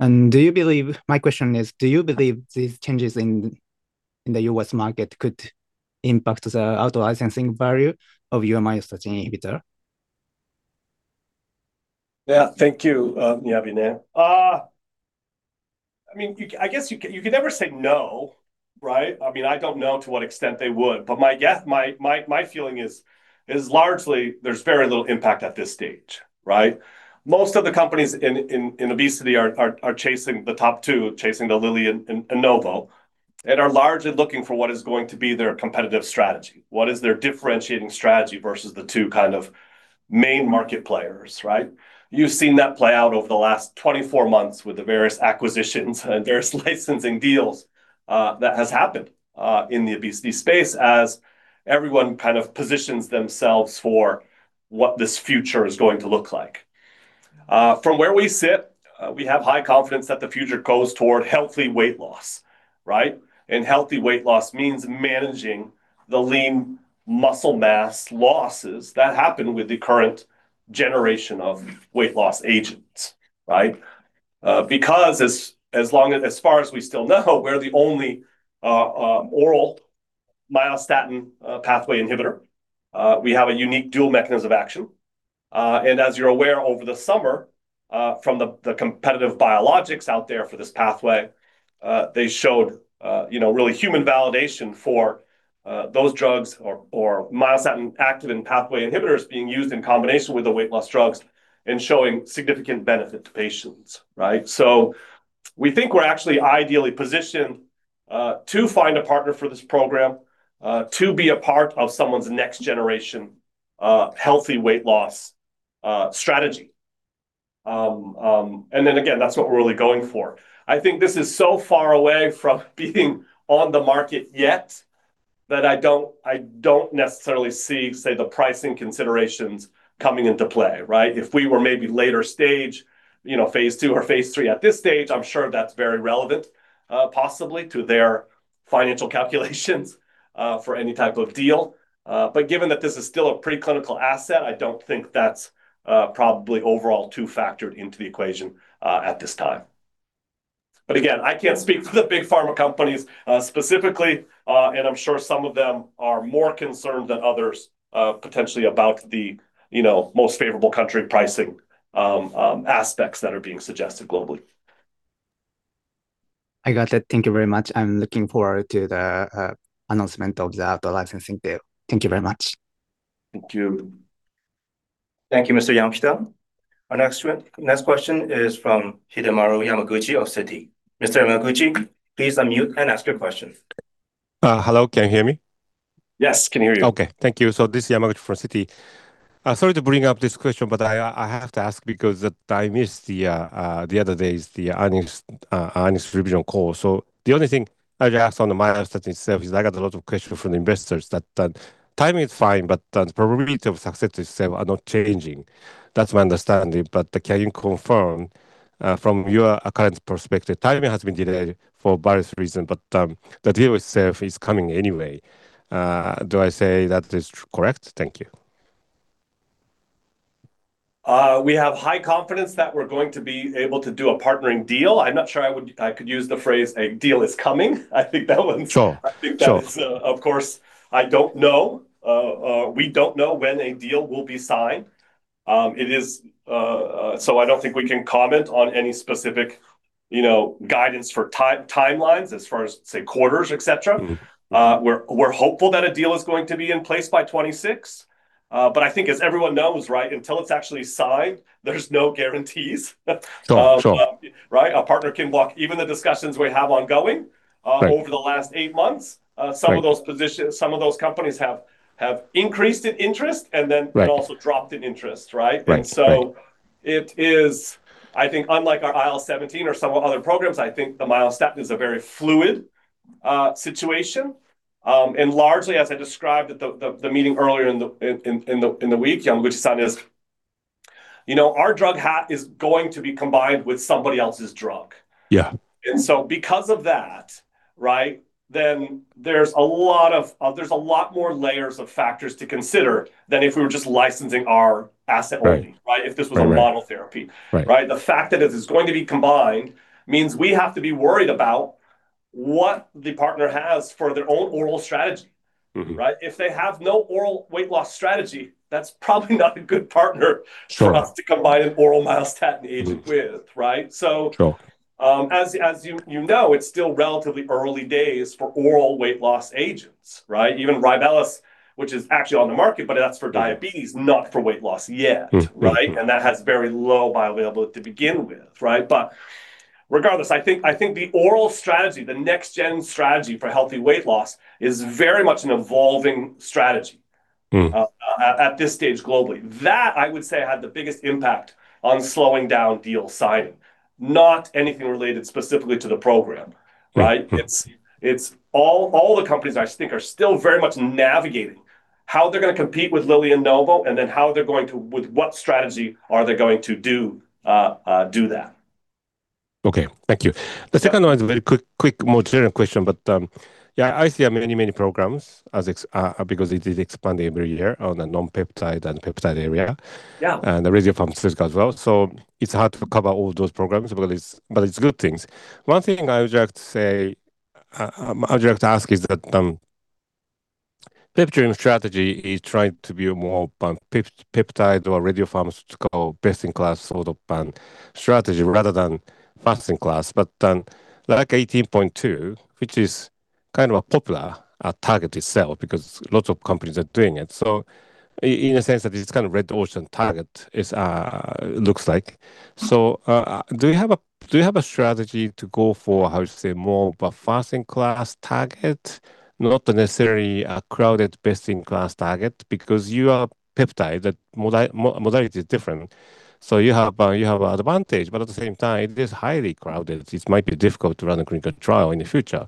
Speaker 6: And do you believe my question is, do you believe these changes in the U.S. market could impact the out-licensing value of your myostatin inhibitor?
Speaker 2: Yeah. Thank you, Miyabi. I mean, I guess you could never say no, right? I mean, I don't know to what extent they would, but my guess, my feeling is largely there's very little impact at this stage, right? Most of the companies in obesity are chasing the top two, chasing the Lilly and Novo, and are largely looking for what is going to be their competitive strategy. What is their differentiating strategy versus the two kind of main market players, right? You've seen that play out over the last 24 months with the various acquisitions and various licensing deals that have happened in the obesity space as everyone kind of positions themselves for what this future is going to look like. From where we sit, we have high confidence that the future goes toward healthy weight loss, right? And healthy weight loss means managing the lean muscle mass losses that happen with the current generation of weight loss agents, right? Because as far as we still know, we're the only oral myostatin pathway inhibitor. We have a unique dual mechanism of action. And as you're aware, over the summer, from the competitive biologics out there for this pathway, they showed really human validation for those drugs or myostatin activin pathway inhibitors being used in combination with the weight loss drugs and showing significant benefit to patients, right? So we think we're actually ideally positioned to find a partner for this program to be a part of someone's next generation healthy weight loss strategy. And then, again, that's what we're really going for. I think this is so far away from being on the market yet that I don't necessarily see, say, the pricing considerations coming into play, right? If we were maybe later Phase III at this stage, I'm sure that's very relevant possibly to their financial calculations for any type of deal. But given that this is still a preclinical asset, I don't think that's probably overall too factored into the equation at this time. But again, I can't speak for the big pharma companies specifically, and I'm sure some of them are more concerned than others potentially about the most favorable country pricing aspects that are being suggested globally.
Speaker 6: Thank you very much. I'm looking forward to the announcement of the out-licensing deal. Thank you very much.
Speaker 1: Thank you, Mr. Yamakita. Our next question is from Hidemaru Yamaguchi of Citi. Mr. Yamaguchi, please unmute and ask your question.
Speaker 7: Hello. Can you hear me?
Speaker 2: Yes, can hear you.
Speaker 7: Okay. Thank you. So this is Yamaguchi from Citi. Sorry to bring up this question, but I have to ask because the time is, the other day is the earnings revision call. So the only thing I just asked on the myostatin itself is I got a lot of questions from the investors that timing is fine, but the probability of success itself are not changing. That's my understanding. But can you confirm from your current perspective, timing has been delayed for various reasons, but the deal itself is coming anyway. Do I say that is correct? Thank you.
Speaker 2: We have high confidence that we're going to be able to do a partnering deal. I'm not sure I could use the phrase a deal is coming. I think that one's. Sure. Sure. Of course, I don't know. We don't know when a deal will be signed. So I don't think we can comment on any specific guidance for timelines as far as, say, quarters, etc. We're hopeful that a deal is going to be in place by 2026. But I think, as everyone knows, right, until it's actually signed, there's no guarantees. Right? A partner can walk even the discussions we have ongoing over the last eight months. Some of those companies have increased in interest and then also dropped in interest, right? And so it is, I think, unlike our IL-17 or some other programs, I think the myostatin is a very fluid situation. Largely, as I described at the meeting earlier in the week, Yamaguchi-san is our drug that is going to be combined with somebody else's drug. Yeah. And so because of that, right, then there's a lot more layers of factors to consider than if we were just licensing our asset only, right, if this was a monotherapy, right? The fact that it is going to be combined means we have to be worried about what the partner has for their own oral strategy, right? If they have no oral weight loss strategy, that's probably not a good partner for us to combine an oral myostatin agent with, right? Sure. As you know, it's still relatively early days for oral weight loss agents, right? Even Rybelsus, which is actually on the market, but that's for diabetes, not for weight loss yet, right? And that has very low bioavailability to begin with, right? But regardless, I think the oral strategy, the next-gen strategy for healthy weight loss is very much an evolving strategy at this stage globally. That, I would say, had the biggest impact on slowing down deal signing, not anything related specifically to the program, right? All the companies, I think, are still very much navigating how they're going to compete with Lilly and Novo and then how they're going to with what strategy are they going to do that.
Speaker 7: Okay. Thank you. The second one is a very quick, more general question, but yeah, I see many, many programs because it is expanding every year on the non-peptide and peptide area and the radiopharmaceutical as well. So it's hard to cover all those programs, but it's good things. One thing I would like to say, I would like to ask is that peptide strategy is trying to be more peptide or radiopharmaceutical best-in-class sort of strategy rather than best-in-class. But like Claudin 18.2, which is kind of a popular target itself because lots of companies are doing it. So in a sense, it's kind of a red ocean target, it looks like. So do you have a strategy to go for, how you say, more of a fast-in-class target, not necessarily a crowded best-in-class target? Because you are peptide, the modality is different. So you have an advantage, but at the same time, it is highly crowded. It might be difficult to run a clinical trial in the future.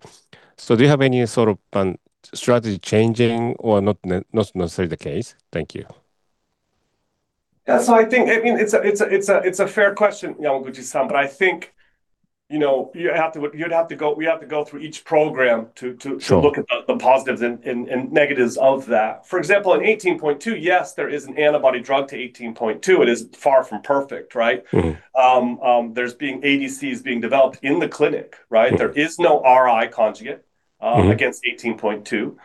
Speaker 7: So do you have any sort of strategy changing or not necessarily the case? Thank you.
Speaker 2: Yeah. So I think, I mean, it's a fair question, Yamaguchi-san, but I think you'd have to go through each program to look at the positives and negatives of that. For example, in 18.2, yes, there is an antibody drug to 18.2. It is far from perfect, right? There are ADCs being developed in the clinic, right? There is no RI conjugate against 18.2.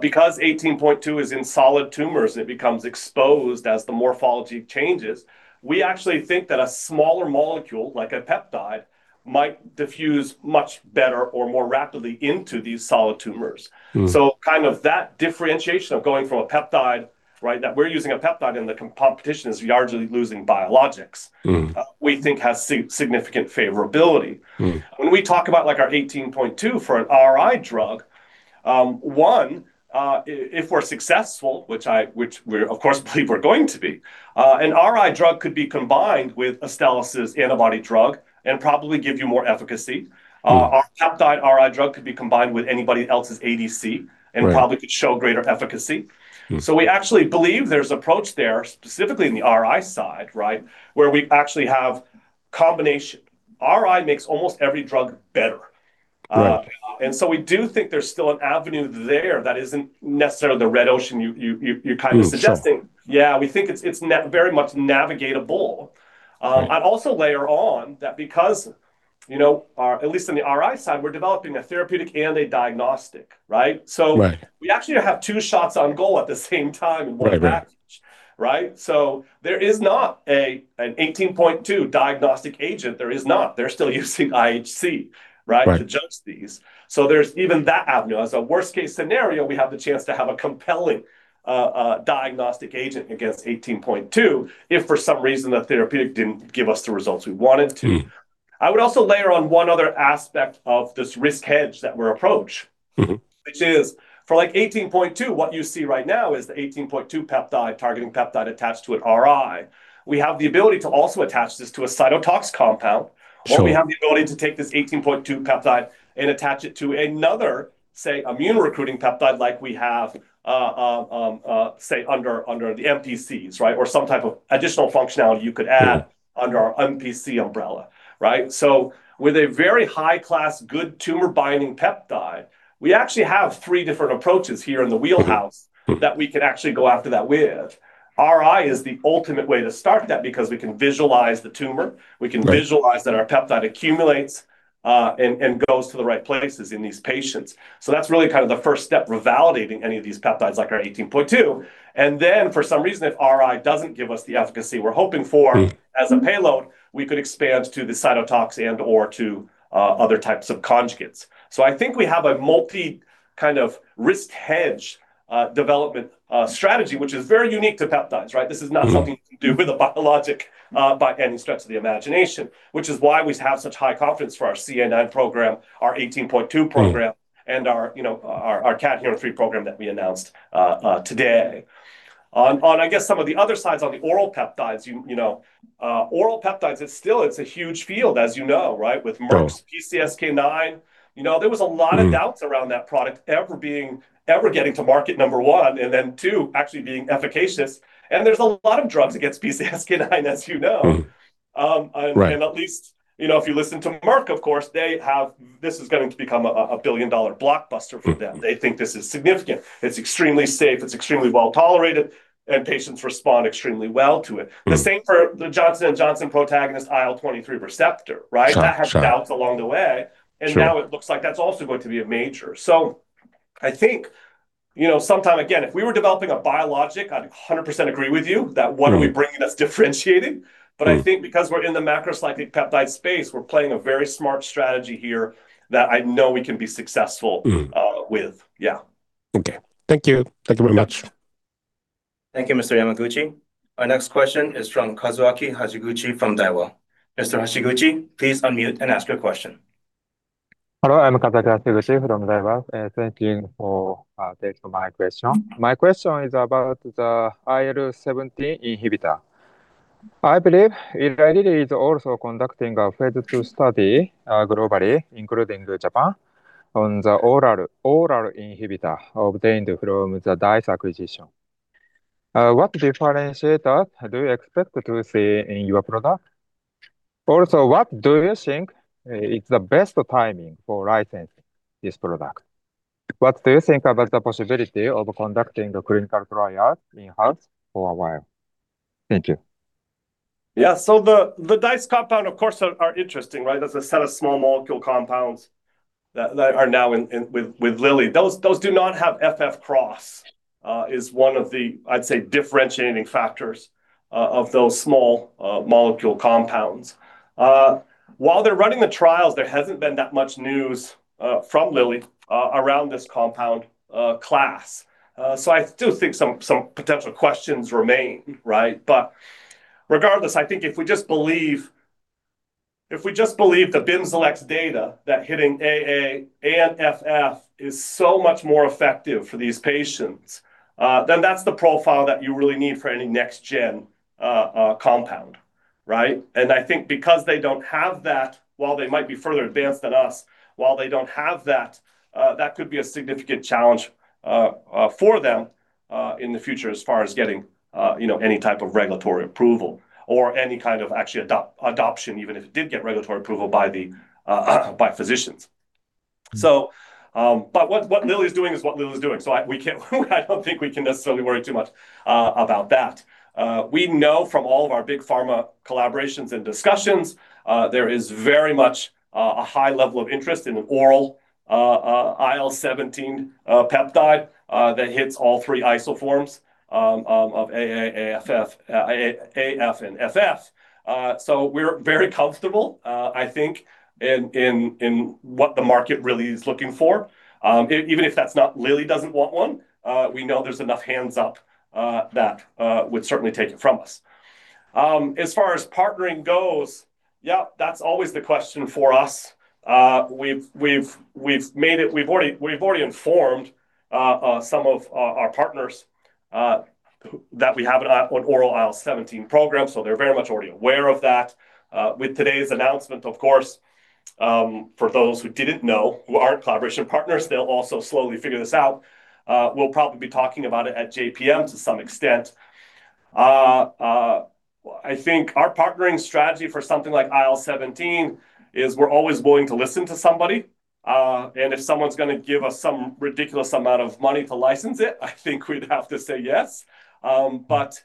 Speaker 2: Because 18.2 is in solid tumors, it becomes exposed as the morphology changes. We actually think that a smaller molecule like a peptide might diffuse much better or more rapidly into these solid tumors. So kind of that differentiation of going from a peptide, right, that we're using a peptide and the competition is largely large biologics, we think has significant favorability. When we talk about our Claudin 18.2 for an RI drug, one, if we're successful, which we of course believe we're going to be, an RI drug could be combined with an Astellas' antibody drug and probably give you more efficacy. Our peptide-RI drug could be combined with anybody else's ADC and probably could show greater efficacy. So we actually believe there's an approach there specifically in the RI side, right, where we actually have combination. RI makes almost every drug better. And so we do think there's still an avenue there that isn't necessarily the red ocean you're kind of suggesting. Yeah, we think it's very much navigable. I'd also layer on that because, at least on the RI side, we're developing a therapeutic and a diagnostic, right? So we actually have two shots on goal at the same time in one package, right? So there is not an 18.2 diagnostic agent. There is not. They're still using IHC, right, to judge these. So there's even that avenue. As a worst-case scenario, we have the chance to have a compelling diagnostic agent against 18.2 if for some reason the therapeutic didn't give us the results we wanted to. I would also layer on one other aspect of this risk hedge that we're approaching, which is for like 18.2, what you see right now is the 18.2 peptide targeting peptide attached to an RI. We have the ability to also attach this to a cytotox compound. Or we have the ability to take this 18.2 peptide and attach it to another, say, immune-recruiting peptide like we have, say, under the MPCs, right, or some type of additional functionality you could add under our MPC umbrella, right? So with a very high-class good tumor-binding peptide, we actually have three different approaches here in the wheelhouse that we can actually go after that with. RI is the ultimate way to start that because we can visualize the tumor. We can visualize that our peptide accumulates and goes to the right places in these patients. So that's really kind of the first step for validating any of these peptides like our 18.2. And then for some reason, if RI doesn't give us the efficacy we're hoping for as a payload, we could expand to the cytotoxin and/or to other types of conjugates. So I think we have a multi-kind of risk hedge development strategy, which is very unique to peptides, right? This is not something you can do with a biologic by any stretch of the imagination, which is why we have such high confidence for our CA9 program, our 18.2 program, and our Cadherin-3 program that we announced today. On, I guess, some of the other sides on the oral peptides, oral peptides, it's still a huge field, as you know, right, with Merck's PCSK9. There was a lot of doubts around that product ever getting to market number one and then, two, actually being efficacious. And there's a lot of drugs against PCSK9, as you know. And at least if you listen to Merck, of course, this is going to become a billion-dollar blockbuster for them. They think this is significant. It's extremely safe. It's extremely well tolerated. And patients respond extremely well to it. The same for the Johnson & Johnson Protagonist IL-23 receptor, right? That had doubts along the way. And now it looks like that's also going to be a major. So I think sometime, again, if we were developing a biologic, I'd 100% agree with you that what are we bringing that's differentiating. But I think because we're in the macrocyclic peptide space, we're playing a very smart strategy here that I know we can be successful with. Yeah.
Speaker 7: Okay. Thank you. Thank you very much.
Speaker 1: Thank you, Mr. Yamaguchi. Our next question is from Kazuaki Hashiguchi from Daiwa. Mr. Hashiguchi, please unmute and ask your question.
Speaker 8: Hello. I'm Kazuaki Hashiguchi from Daiwa. Thank you for taking my question. My question is about the IL-23 inhibitor. I believe it is also conducting a Phase II study globally, including Japan, on the oral inhibitor obtained from the DICE acquisition. What differentiators do you expect to see in your product? Also, what do you think is the best timing for licensing this product? What do you think about the possibility of conducting a clinical trial in-house for a while? Thank you.
Speaker 2: Yeah, so these compounds, of course, are interesting, right? Those are set of small molecule compounds that are now with Lilly. Those do not have IL-17F cross is one of the, I'd say, differentiating factors of those small molecule compounds. While they're running the trials, there hasn't been that much news from Lilly around this compound class, so I do think some potential questions remain, right? But regardless, I think if we just believe the Bimzelx data that hitting AA and AF is so much more effective for these patients, then that's the profile that you really need for any next-gen compound, right? I think because they don't have that, while they might be further advanced than us, that could be a significant challenge for them in the future as far as getting any type of regulatory approval or any kind of actual adoption, even if it did get regulatory approval by physicians. What Lilly is doing is what Lilly is doing. I don't think we can necessarily worry too much about that. We know from all of our big pharma collaborations and discussions, there is very much a high level of interest in an oral IL-17 peptide that hits all three isoforms of AA and FF. We're very comfortable, I think, in what the market really is looking for. Even if Lilly doesn't want one, we know there's enough hands up that would certainly take it from us. As far as partnering goes, yeah, that's always the question for us. We've made it. We've already informed some of our partners that we have an oral IL-17 program. So they're very much already aware of that. With today's announcement, of course, for those who didn't know, who aren't collaboration partners, they'll also slowly figure this out. We'll probably be talking about it at JPM to some extent. I think our partnering strategy for something like IL-17 is we're always willing to listen to somebody. And if someone's going to give us some ridiculous amount of money to license it, I think we'd have to say yes. But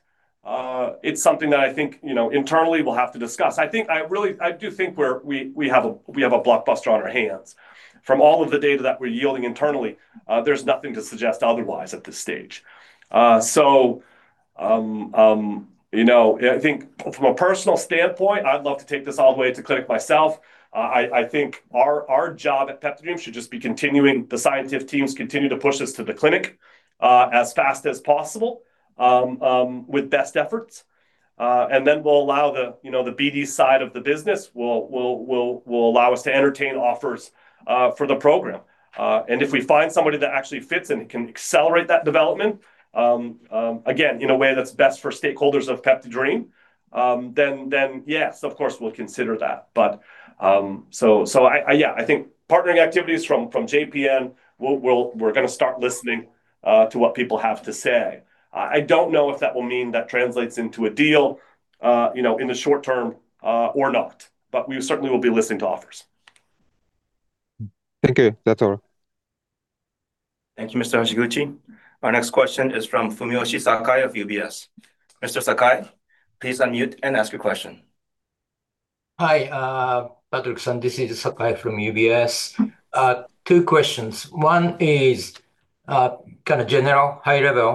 Speaker 2: it's something that I think internally we'll have to discuss. I really do think we have a blockbuster on our hands. From all of the data that we're yielding internally, there's nothing to suggest otherwise at this stage. I think from a personal standpoint, I'd love to take this all the way to clinic myself. I think our job at PeptiDream should just be continuing the scientific teams continue to push us to the clinic as fast as possible with best efforts. And then we'll allow the BD side of the business will allow us to entertain offers for the program. And if we find somebody that actually fits and can accelerate that development, again, in a way that's best for stakeholders of PeptiDream, then yes, of course, we'll consider that. But yeah, I think partnering activities from Japan, we're going to start listening to what people have to say. I don't know if that will mean that translates into a deal in the short term or not, but we certainly will be listening to offers.
Speaker 8: Thank you. That's all.
Speaker 1: Thank you, Mr. Hashiguchi. Our next question is from Fumiyoshi Sakai of UBS. Mr. Sakai, please unmute and ask your question.
Speaker 9: Hi, Patrick-san. This is Sakai from UBS. Two questions. One is kind of general, high-level,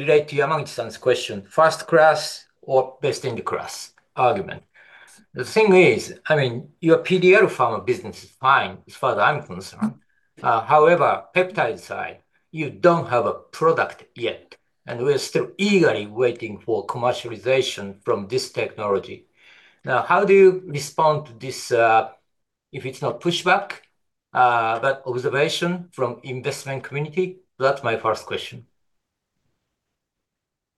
Speaker 9: related to Yamaguchi-san's question, first-in-class or best-in-class argument. The thing is, I mean, your PDRadiopharma business is fine as far as I'm concerned. However, peptide side, you don't have a product yet. And we're still eagerly waiting for commercialization from this technology. Now, how do you respond to this if it's not pushback, but observation from the investment community? That's my first question.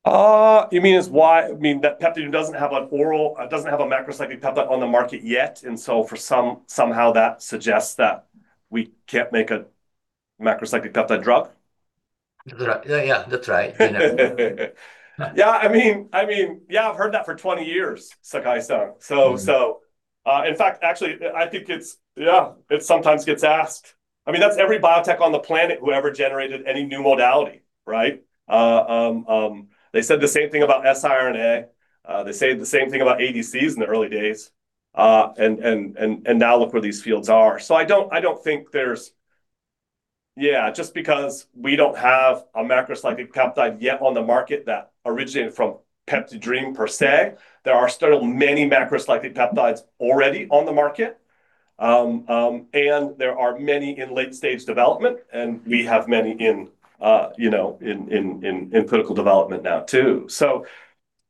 Speaker 2: You mean as why? I mean, PeptiDream doesn't have an oral macrocyclic peptide on the market yet. And so somehow that suggests that we can't make a macrocyclic peptide drug?
Speaker 9: Yeah, that's right.
Speaker 2: Yeah. I mean, yeah, I've heard that for 20 years, Sakai-san. So, in fact, actually, I think it sometimes gets asked. I mean, that's every biotech on the planet who ever generated any new modality, right? They said the same thing about siRNA. They say the same thing about ADCs in the early days. And now look where these fields are. So I don't think there's just because we don't have a macrocyclic peptide yet on the market that originated from PeptiDream per se, there are still many macrocyclic peptides already on the market. And there are many in late-stage development. And we have many in clinical development now too. So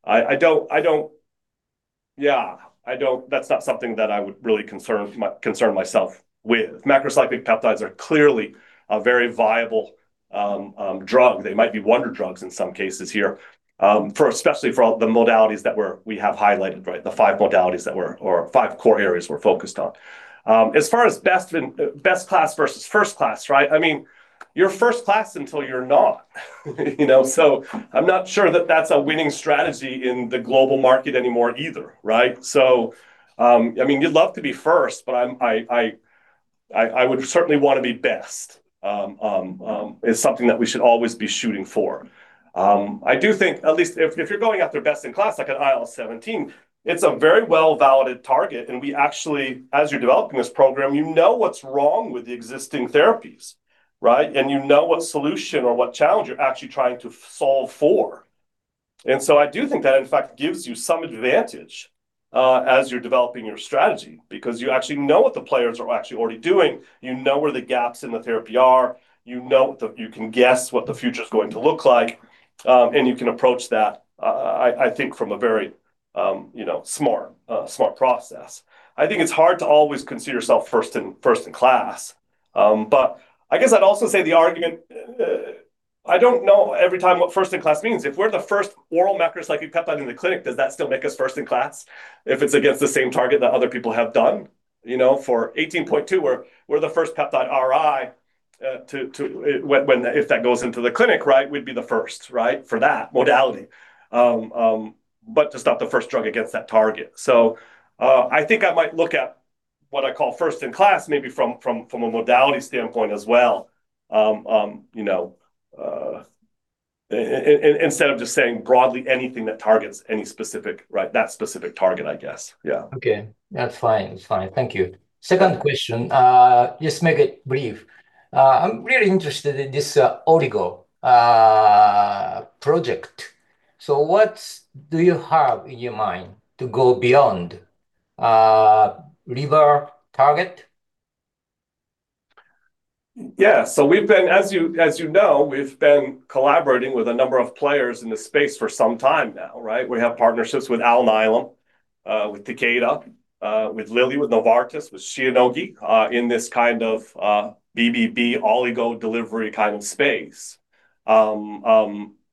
Speaker 2: I don't, that's not something that I would really concern myself with. Macrocyclic peptides are clearly a very viable drug. They might be wonder drugs in some cases here, especially for the modalities that we have highlighted, right? The five modalities that we're or five core areas we're focused on. As far as best-class versus first-class, right? I mean, you're first-class until you're not. So I'm not sure that that's a winning strategy in the global market anymore either, right? So I mean, you'd love to be first, but I would certainly want to be best is something that we should always be shooting for. I do think, at least if you're going after best-in-class like an IL-17, it's a very well-validated target. And we actually, as you're developing this program, you know what's wrong with the existing therapies, right? And you know what solution or what challenge you're actually trying to solve for. And so I do think that, in fact, gives you some advantage as you're developing your strategy because you actually know what the players are actually already doing. You know where the gaps in the therapy are. You can guess what the future is going to look like. And you can approach that, I think, from a very smart process. I think it's hard to always consider yourself first-in-class. But I guess I'd also say the argument I don't know every time what first-in-class means. If we're the first oral macrocyclic peptide in the clinic, does that still make us first-in-class if it's against the same target that other people have done? For 18.2, we're the first peptide-RI if that goes into the clinic, right? We'd be the first, right, for that modality. But just not the first drug against that target. So I think I might look at what I call first-in-class maybe from a modality standpoint as well instead of just saying broadly anything that targets that specific target, I guess. Yeah.
Speaker 9: Okay. That's fine. That's fine. Thank you. Second question, just make it brief. I'm really interested in this oligo project. So what do you have in your mind to go beyond liver target?
Speaker 2: Yeah. So as you know, we've been collaborating with a number of players in the space for some time now, right? We have partnerships with Alnylam, with Takeda, with Lilly, with Novartis, with Shionogi in this kind of BBB oligo delivery kind of space.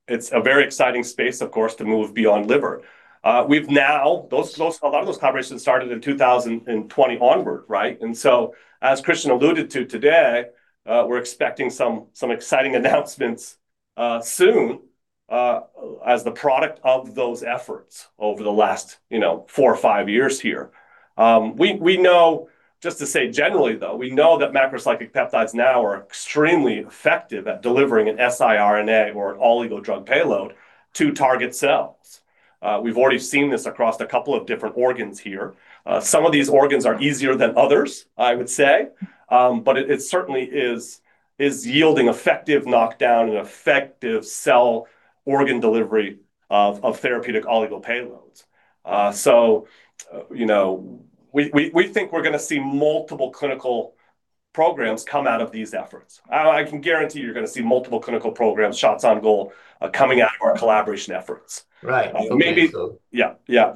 Speaker 2: It's a very exciting space, of course, to move beyond liver. A lot of those collaborations started in 2020 onward, right? And so as Christian alluded to today, we're expecting some exciting announcements soon as the product of those efforts over the last four, five years here. We know, just to say generally, though, we know that macrocyclic peptides now are extremely effective at delivering an siRNA or an oligo drug payload to target cells. We've already seen this across a couple of different organs here. Some of these organs are easier than others, I would say. But it certainly is yielding effective knockdown and effective cell organ delivery of therapeutic oligo payloads. So we think we're going to see multiple clinical programs come out of these efforts. I can guarantee you're going to see multiple clinical programs, shots on goal, coming out of our collaboration efforts. Yeah.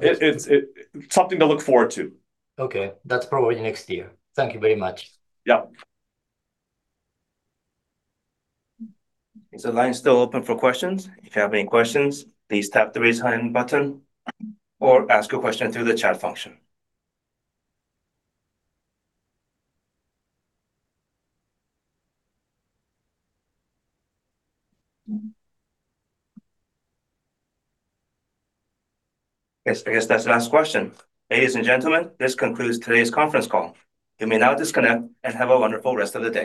Speaker 2: It's something to look forward to.
Speaker 9: Okay. That's probably next year. Thank you very much.
Speaker 2: Yep.
Speaker 1: Is the line still open for questions? If you have any questions, please tap the raise hand button or ask a question through the chat function. Yes. I guess that's the last question. Ladies and gentlemen, this concludes today's conference call. You may now disconnect and have a wonderful rest of the day.